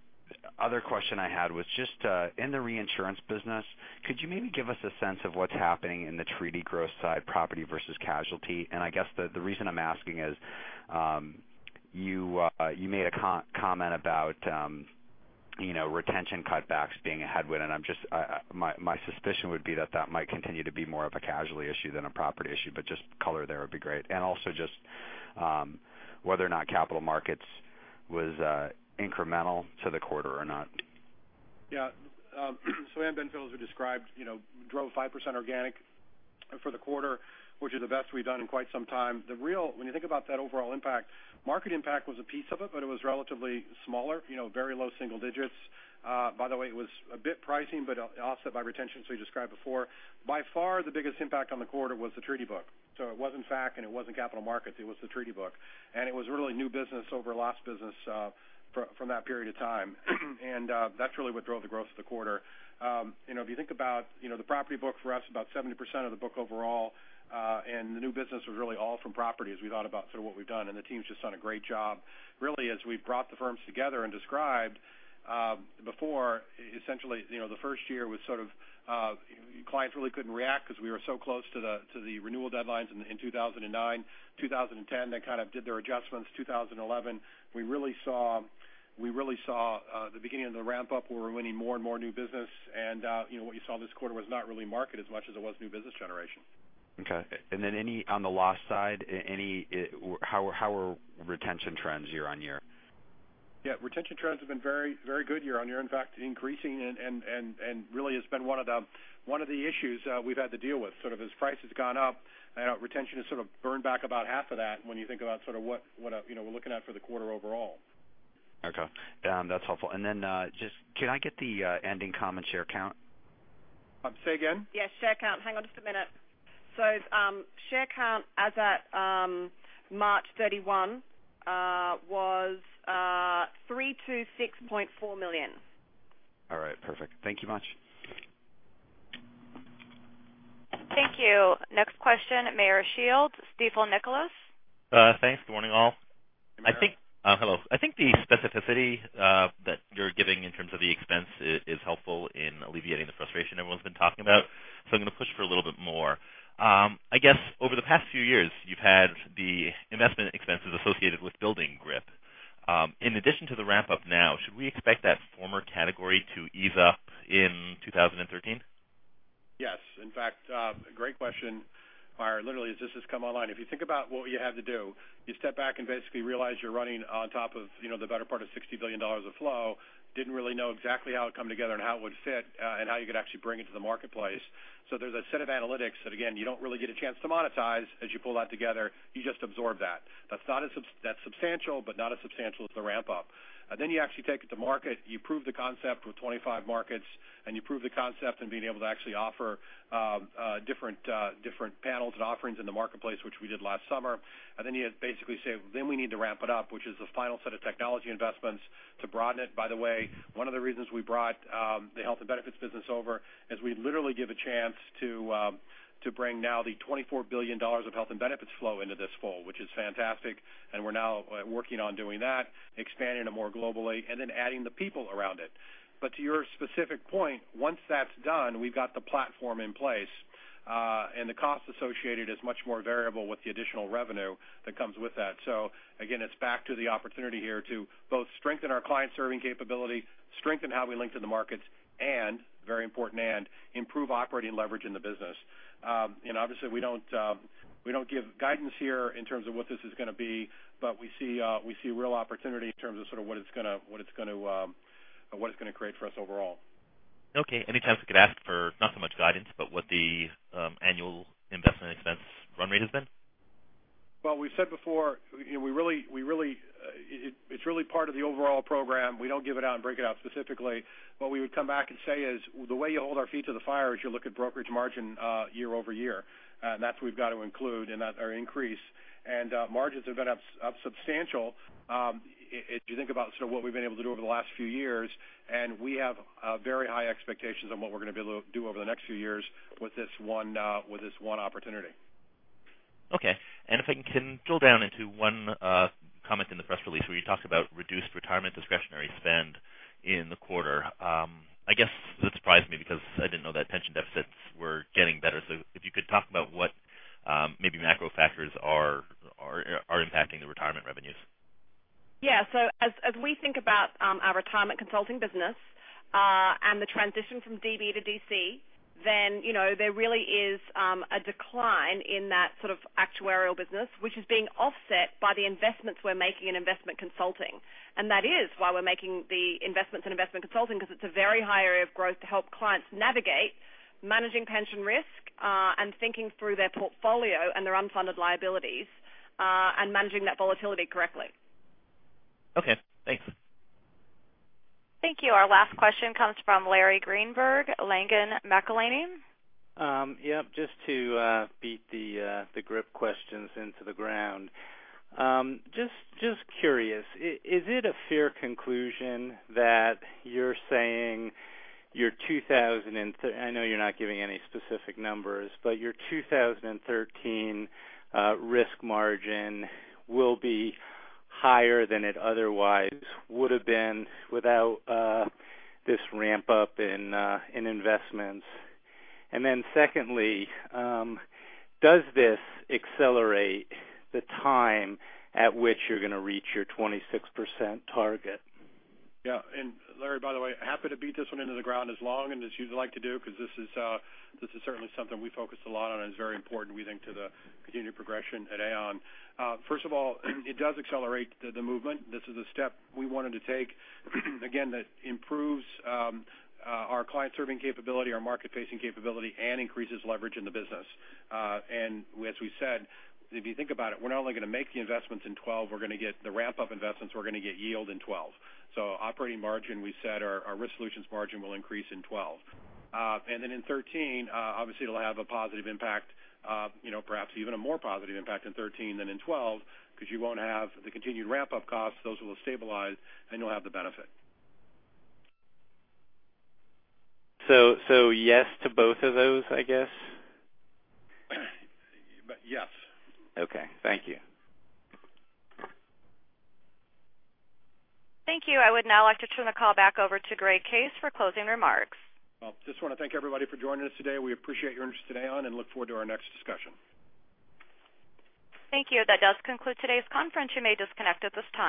Other question I had was just in the reinsurance business, could you maybe give us a sense of what's happening in the treaty growth side, property versus casualty? I guess the reason I'm asking is you made a comment about retention cutbacks being a headwind, my suspicion would be that that might continue to be more of a casualty issue than a property issue, but just color there would be great. Also just whether or not capital markets was incremental to the quarter or not. Aon Benfield, as we described, drove 5% organic for the quarter, which is the best we've done in quite some time. When you think about that overall impact, market impact was a piece of it was relatively smaller, very low single digits. By the way, it was a bit pricing, also by retention, as we described before. By far, the biggest impact on the quarter was the treaty book. It wasn't FAC, it wasn't capital markets, it was the treaty book. It was really new business over lost business from that period of time. That's really what drove the growth of the quarter. If you think about the property book for us, about 70% of the book overall, the new business was really all from property as we thought about what we've done, the team's just done a great job. Really, as we've brought the firms together and described before, essentially, the first year clients really couldn't react because we were so close to the renewal deadlines in 2009. 2010, they did their adjustments. 2011, we really saw the beginning of the ramp-up where we're winning more and more new business. What you saw this quarter was not really market as much as it was new business generation. Okay. On the loss side, how are retention trends year-over-year? Yeah. Retention trends have been very good year-over-year. In fact, increasing, really has been one of the issues we've had to deal with. As price has gone up, retention has burned back about half of that when you think about what we're looking at for the quarter overall. Okay. That's helpful. Can I get the ending common share count? Say again? Yes, share count. Hang on just a minute. Share count as at March 31 was 326.4 million. All right. Perfect. Thank you much. Thank you. Next question, Meyer Shields, Stifel Nicolaus. Thanks. Good morning, all. Hey, Meyer. Hello. I think the specificity that you're giving in terms of the expense is helpful in alleviating the frustration everyone's been talking about. I'm going to push for a little bit more. I guess over the past few years, you've had the investment expenses associated with building GRIP. In addition to the ramp-up now, should we expect that former category to ease up in 2013? Yes. In fact, great question, Meyer. Literally, as this has come online. If you think about what we had to do, you step back and basically realize you're running on top of the better part of $60 billion of flow. Didn't really know exactly how it would come together and how it would fit and how you could actually bring it to the marketplace. There's a set of analytics that, again, you don't really get a chance to monetize as you pull that together. You just absorb that. That's substantial, but not as substantial as the ramp-up. You actually take it to market. You prove the concept with 25 markets, and you prove the concept in being able to actually offer different panels and offerings in the marketplace, which we did last summer. You basically say, then we need to ramp it up, which is the final set of technology investments to broaden it. By the way, one of the reasons we brought the health and benefits business over is we literally give a chance to bring now the $24 billion of health and benefits flow into this fold, which is fantastic, and we're now working on doing that, expanding it more globally, and then adding the people around it. To your specific point, once that's done, we've got the platform in place. The cost associated is much more variable with the additional revenue that comes with that. Again, it's back to the opportunity here to both strengthen our client-serving capability, strengthen how we link to the markets, and very important and improve operating leverage in the business. Obviously we don't give guidance here in terms of what this is going to be, but we see real opportunity in terms of what it's going to create for us overall. Okay. Any chance we could ask for, not so much guidance, but what the annual investment expense run rate has been? Well, we said before, it's really part of the overall program. We don't give it out and break it out specifically. What we would come back and say is the way you hold our feet to the fire is you look at brokerage margin year-over-year. That's what we've got to include in that increase. Margins have been up substantial if you think about what we've been able to do over the last few years, and we have very high expectations on what we're going to be able to do over the next few years with this one opportunity. Okay. If I can drill down into one comment in the press release where you talked about reduced retirement discretionary spend in the quarter. I guess that surprised me because I didn't know that pension deficits were getting better. If you could talk about what maybe macro factors are impacting the retirement revenues. Yeah. As we think about our retirement consulting business, the transition from DB to DC, there really is a decline in that sort of actuarial business, which is being offset by the investments we're making in investment consulting. That is why we're making the investments in investment consulting because it's a very high area of growth to help clients navigate managing pension risk, and thinking through their portfolio and their unfunded liabilities, and managing that volatility correctly. Okay, thanks. Thank you. Our last question comes from Larry Greenberg, Langen McAlenney. Yes, just to beat the GRIP questions into the ground. Just curious, is it a fair conclusion that you're saying I know you're not giving any specific numbers, but your 2013 risk margin will be higher than it otherwise would have been without this ramp-up in investments. Secondly, does this accelerate the time at which you're going to reach your 26% target? Yes. Larry, by the way, happy to beat this one into the ground as long as you'd like to do because this is certainly something we focused a lot on, and it's very important, we think, to the continued progression at Aon. First of all, it does accelerate the movement. This is a step we wanted to take, again, that improves our client-serving capability, our market-facing capability, and increases leverage in the business. As we said, if you think about it, we're not only going to make the investments in 2012, we're going to get the ramp-up investments, we're going to get yield in 2012. Operating margin, we said our Risk Solutions margin will increase in 2012. In 2013, obviously it'll have a positive impact, perhaps even a more positive impact in 2013 than in 2012 because you won't have the continued ramp-up costs. Those will stabilize, you'll have the benefit. Yes to both of those, I guess? Yes. Okay. Thank you. Thank you. I would now like to turn the call back over to Greg Case for closing remarks. Well, just want to thank everybody for joining us today. We appreciate your interest in Aon and look forward to our next discussion. Thank you. That does conclude today's conference. You may disconnect at this time.